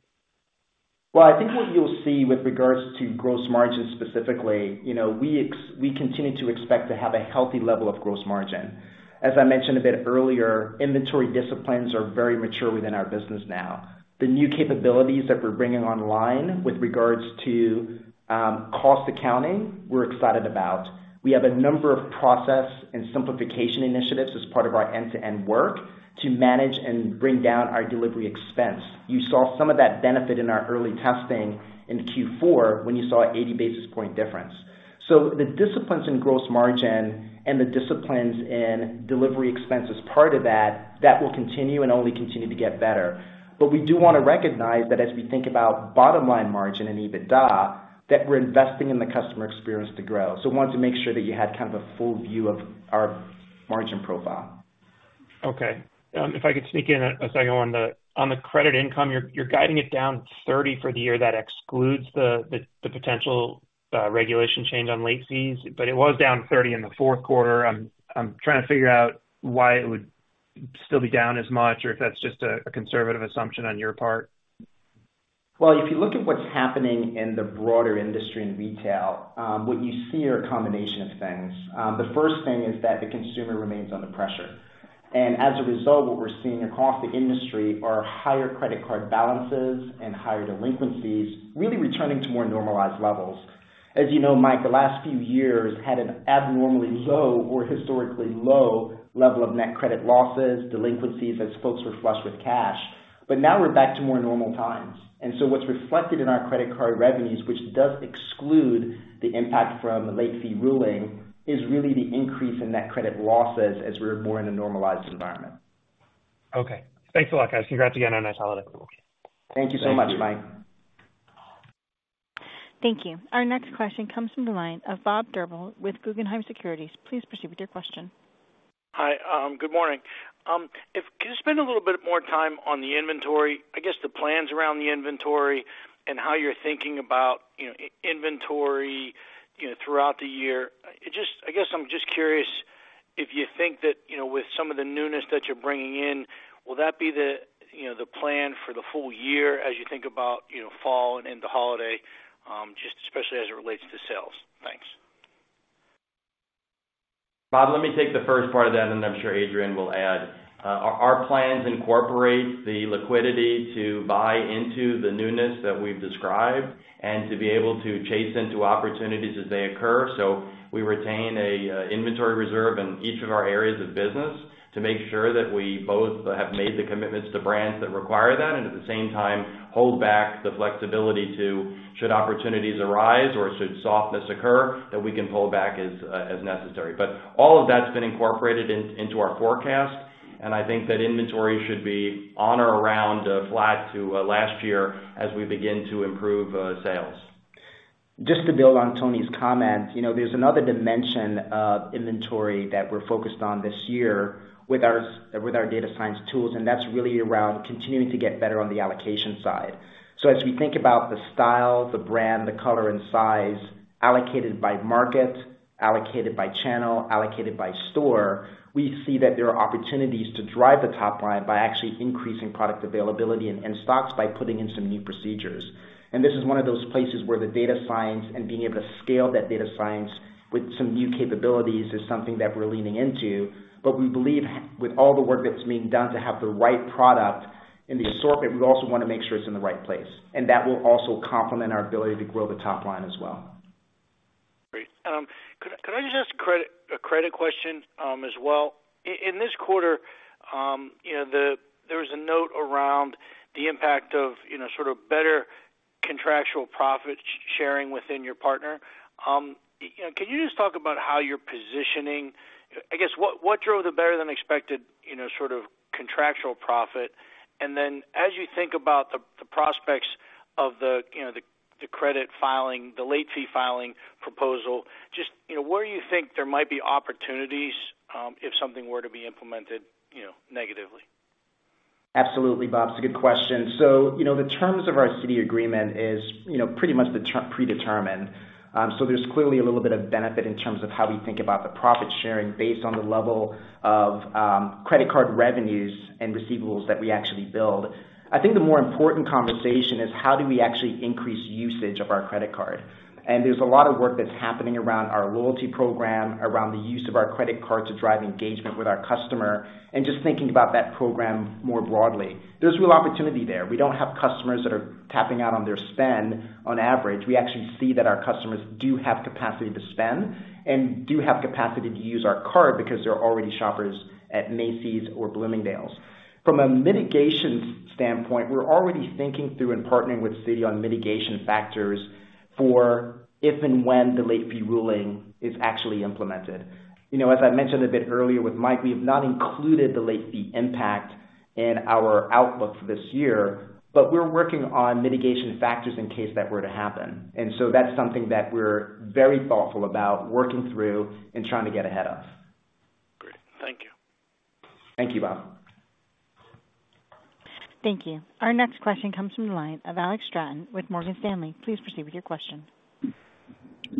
Well, I think what you'll see with regards to gross margin specifically, you know, we continue to expect to have a healthy level of gross margin. As I mentioned a bit earlier, inventory disciplines are very mature within our business now. The new capabilities that we're bringing online with regards to cost accounting, we're excited about. We have a number of process and simplification initiatives as part of our end-to-end work to manage and bring down our delivery expense. You saw some of that benefit in our early testing in Q4 when you saw an 80 basis point difference. So the disciplines in gross margin and the disciplines in delivery expense as part of that, that will continue and only continue to get better. We do wanna recognize that as we think about bottom-line margin and EBITDA, that we're investing in the customer experience to grow. We wanted to make sure that you had kind of a full view of our margin profile. Okay. If I could sneak in a second one. On the credit income, you're guiding it down 30 for the year. That excludes the potential regulation change on late fees, but it was down 30 in the fourth quarter. I'm trying to figure out why it would still be down as much, or if that's just a conservative assumption on your part. Well, if you look at what's happening in the broader industry in retail, what you see are a combination of things. The first thing is that the consumer remains under pressure, and as a result, what we're seeing across the industry are higher credit card balances and higher delinquencies, really returning to more normalized levels. As you know, Mike, the last few years had an abnormally low or historically low level of net credit losses, delinquencies, as folks were flush with cash. But now we're back to more normal times. And so what's reflected in our credit card revenues, which does exclude the impact from the late fee ruling, is really the increase in net credit losses as we're more in a normalized environment. Okay. Thanks a lot, guys. Congrats again on a nice holiday. Thank you so much, Mike. Thank you. Our next question comes from the line of Bob Drbul with Guggenheim Securities. Please proceed with your question. Hi, good morning. Could you spend a little bit more time on the inventory, I guess, the plans around the inventory and how you're thinking about, you know, inventory, you know, throughout the year? Just... I guess I'm just curious if you think that, you know, with some of the newness that you're bringing in, will that be the, you know, the plan for the full year as you think about, you know, fall and into holiday, just especially as it relates to sales? Thanks. Bob, let me take the first part of that, and I'm sure Adrian will add. Our plans incorporate the liquidity to buy into the newness that we've described and to be able to chase into opportunities as they occur. So we retain a inventory reserve in each of our areas of business to make sure that we both have made the commitments to brands that require that, and at the same time, hold back the flexibility to, should opportunities arise or should softness occur, that we can pull back as necessary. But all of that's been incorporated into our forecast, and I think that inventory should be on or around flat to last year as we begin to improve sales. Just to build on Tony's comment, you know, there's another dimension of inventory that we're focused on this year with our data science tools, and that's really around continuing to get better on the allocation side. So as we think about the style, the brand, the color and size, allocated by market, allocated by channel, allocated by store, we see that there are opportunities to drive the top line by actually increasing product availability and stocks by putting in some new procedures. This is one of those places where the data science and being able to scale that data science with some new capabilities is something that we're leaning into. We believe with all the work that's being done to have the right product in the assortment, we also wanna make sure it's in the right place, and that will also complement our ability to grow the top line as well.... Could I just ask a credit question as well? In this quarter, you know, there was a note around the impact of, you know, sort of better contractual profit sharing within your partner. You know, can you just talk about how you're positioning, I guess, what drove the better than expected, you know, sort of contractual profit? And then as you think about the prospects of, you know, the credit filing, the late fee filing proposal, just, you know, where do you think there might be opportunities if something were to be implemented, you know, negatively? Absolutely, Bob, it's a good question. So, you know, the terms of our Citi agreement is, you know, pretty much predetermined. So there's clearly a little bit of benefit in terms of how we think about the profit sharing based on the level of credit card revenues and receivables that we actually build. I think the more important conversation is how do we actually increase usage of our credit card? And there's a lot of work that's happening around our loyalty program, around the use of our credit card to drive engagement with our customer, and just thinking about that program more broadly. There's real opportunity there. We don't have customers that are tapping out on their spend on average. We actually see that our customers do have capacity to spend and do have capacity to use our card because they're already shoppers at Macy's or Bloomingdale's. From a mitigation standpoint, we're already thinking through and partnering with Citi on mitigation factors for if and when the late fee ruling is actually implemented. You know, as I mentioned a bit earlier with Mike, we have not included the late fee impact in our outlook for this year, but we're working on mitigation factors in case that were to happen. And so that's something that we're very thoughtful about working through and trying to get ahead of. Great. Thank you. Thank you, Bob. Thank you. Our next question comes from the line of Alex Straton with Morgan Stanley. Please proceed with your question.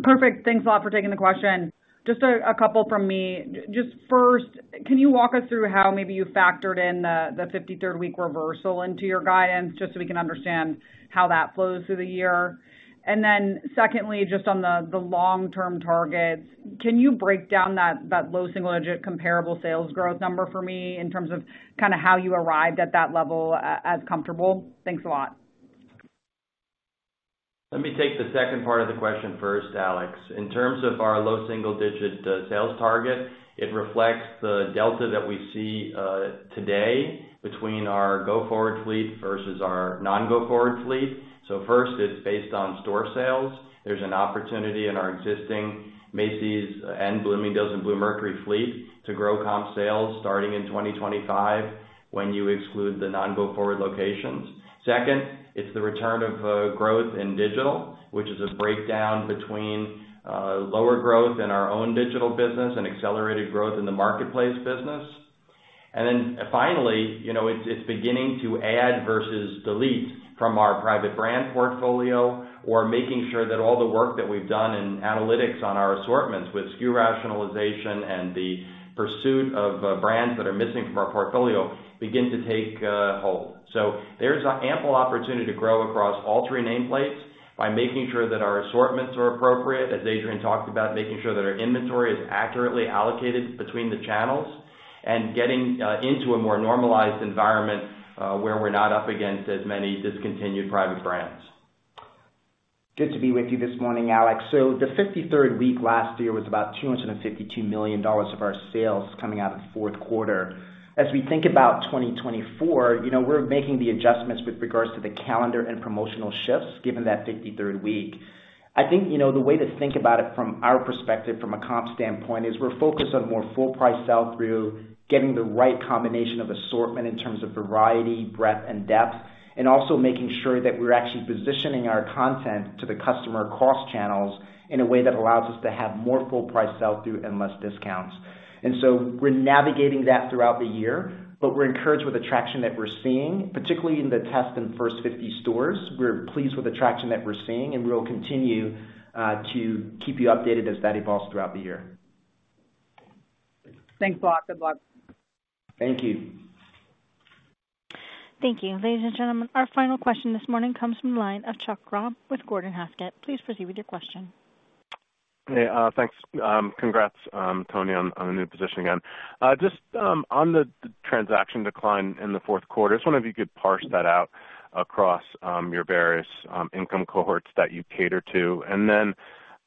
Perfect. Thanks a lot for taking the question. Just a couple from me. Just first, can you walk us through how maybe you factored in the fifty-third week reversal into your guidance, just so we can understand how that flows through the year? And then secondly, just on the long-term targets, can you break down that low single digit comparable sales growth number for me in terms of kinda how you arrived at that level as comfortable? Thanks a lot. Let me take the second part of the question first, Alex. In terms of our low single digit sales target, it reflects the delta that we see today between our go-forward fleet versus our non-go-forward fleet. So first, it's based on store sales. There's an opportunity in our existing Macy's and Bloomingdale's and Bluemercury fleet to grow comp sales starting in 2025, when you exclude the non-go-forward locations. Second, it's the return of growth in digital, which is a breakdown between lower growth in our own digital business and accelerated growth in the marketplace business. Then finally, you know, it's beginning to add versus delete from our private brand portfolio or making sure that all the work that we've done in analytics on our assortments with SKU rationalization and the pursuit of brands that are missing from our portfolio begin to take hold. So there's an ample opportunity to grow across all three nameplates by making sure that our assortments are appropriate, as Adrian talked about, making sure that our inventory is accurately allocated between the channels, and getting into a more normalized environment where we're not up against as many discontinued private brands. Good to be with you this morning, Alex. So the 53rd week last year was about $252 million of our sales coming out of the fourth quarter. As we think about 2024, you know, we're making the adjustments with regards to the calendar and promotional shifts, given that 53rd week. I think, you know, the way to think about it from our perspective, from a comp standpoint, is we're focused on more full price sell-through, getting the right combination of assortment in terms of variety, breadth, and depth, and also making sure that we're actually positioning our content to the customer across channels in a way that allows us to have more full price sell-through and less discounts. And so we're navigating that throughout the year, but we're encouraged with the traction that we're seeing, particularly in the test in the first 50 stores. We're pleased with the traction that we're seeing, and we'll continue to keep you updated as that evolves throughout the year. Thanks a lot. Good luck. Thank you. Thank you. Ladies and gentlemen, our final question this morning comes from the line of Chuck Grom with Gordon Haskett. Please proceed with your question. Hey, thanks. Congrats, Tony, on, on the new position again. Just on the transaction decline in the fourth quarter, just wonder if you could parse that out across your various income cohorts that you cater to. And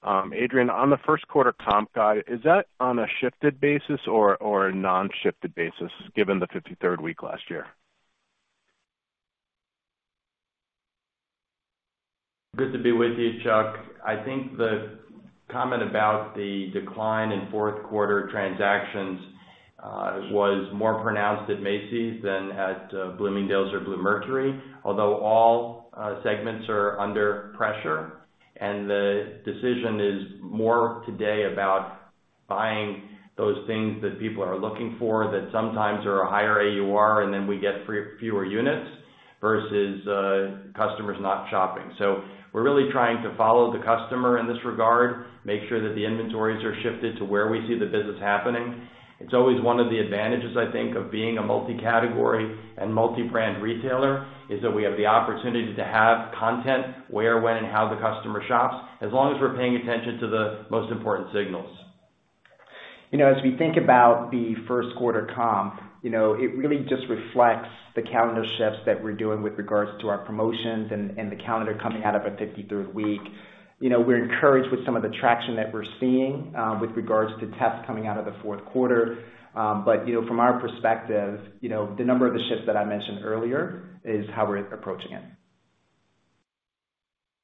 then, Adrian, on the first quarter comp guide, is that on a shifted basis or a non-shifted basis, given the 53rd week last year? Good to be with you, Chuck. I think the comment about the decline in fourth quarter transactions was more pronounced at Macy's than at Bloomingdale's or Bluemercury, although all segments are under pressure, and the decision is more today about buying those things that people are looking for that sometimes are a higher AUR, and then we get fewer units versus customers not shopping. So we're really trying to follow the customer in this regard, make sure that the inventories are shifted to where we see the business happening. It's always one of the advantages, I think, of being a multi-category and multi-brand retailer, is that we have the opportunity to have content where, when, and how the customer shops, as long as we're paying attention to the most important signals.... You know, as we think about the first quarter comp, you know, it really just reflects the calendar shifts that we're doing with regards to our promotions and the calendar coming out of a 53rd week. You know, we're encouraged with some of the traction that we're seeing with regards to tests coming out of the fourth quarter. But, you know, from our perspective, you know, the number of the shifts that I mentioned earlier is how we're approaching it.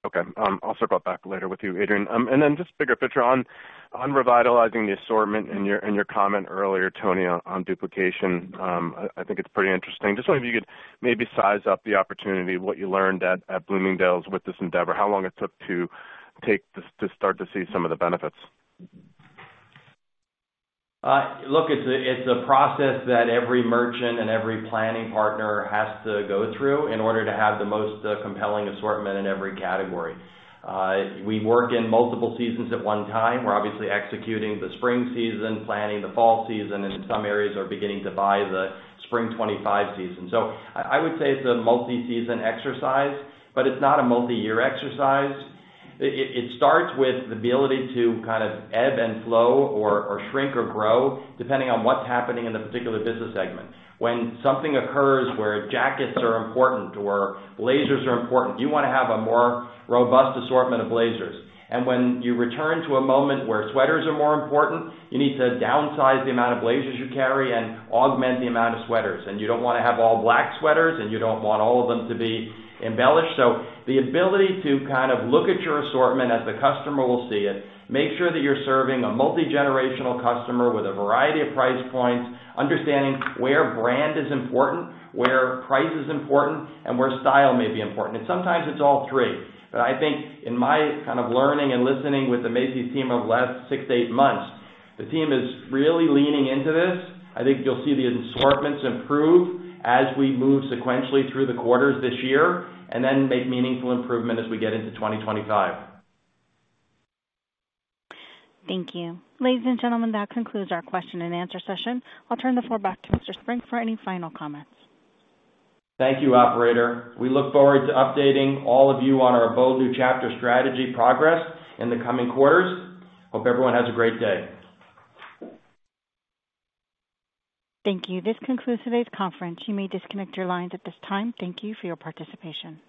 Okay. I'll circle back later with you, Adrian. And then just bigger picture on revitalizing the assortment in your comment earlier, Tony, on duplication. I think it's pretty interesting. Just wondering if you could maybe size up the opportunity, what you learned at Bloomingdale's with this endeavor, how long it took to start to see some of the benefits? Look, it's a process that every merchant and every planning partner has to go through in order to have the most compelling assortment in every category. We work in multiple seasons at one time. We're obviously executing the spring season, planning the fall season, and some areas are beginning to buy the spring 2025 season. So I would say it's a multi-season exercise, but it's not a multi-year exercise. It starts with the ability to kind of ebb and flow or shrink or grow, depending on what's happening in the particular business segment. When something occurs where jackets are important or blazers are important, you wanna have a more robust assortment of blazers. And when you return to a moment where sweaters are more important, you need to downsize the amount of blazers you carry and augment the amount of sweaters. You don't wanna have all black sweaters, and you don't want all of them to be embellished. The ability to kind of look at your assortment as the customer will see it, make sure that you're serving a multigenerational customer with a variety of price points, understanding where brand is important, where price is important, and where style may be important. And sometimes it's all three. But I think in my kind of learning and listening with the Macy's team over the last six to eight months, the team is really leaning into this. I think you'll see the assortments improve as we move sequentially through the quarters this year, and then make meaningful improvement as we get into 2025. Thank you. Ladies and gentlemen, that concludes our question and answer session. I'll turn the floor back to Mr. Spring for any final comments. Thank you, operator. We look forward to updating all of you on our Bold New Chapter strategy progress in the coming quarters. Hope everyone has a great day. Thank you. This concludes today's conference. You may disconnect your lines at this time. Thank you for your participation.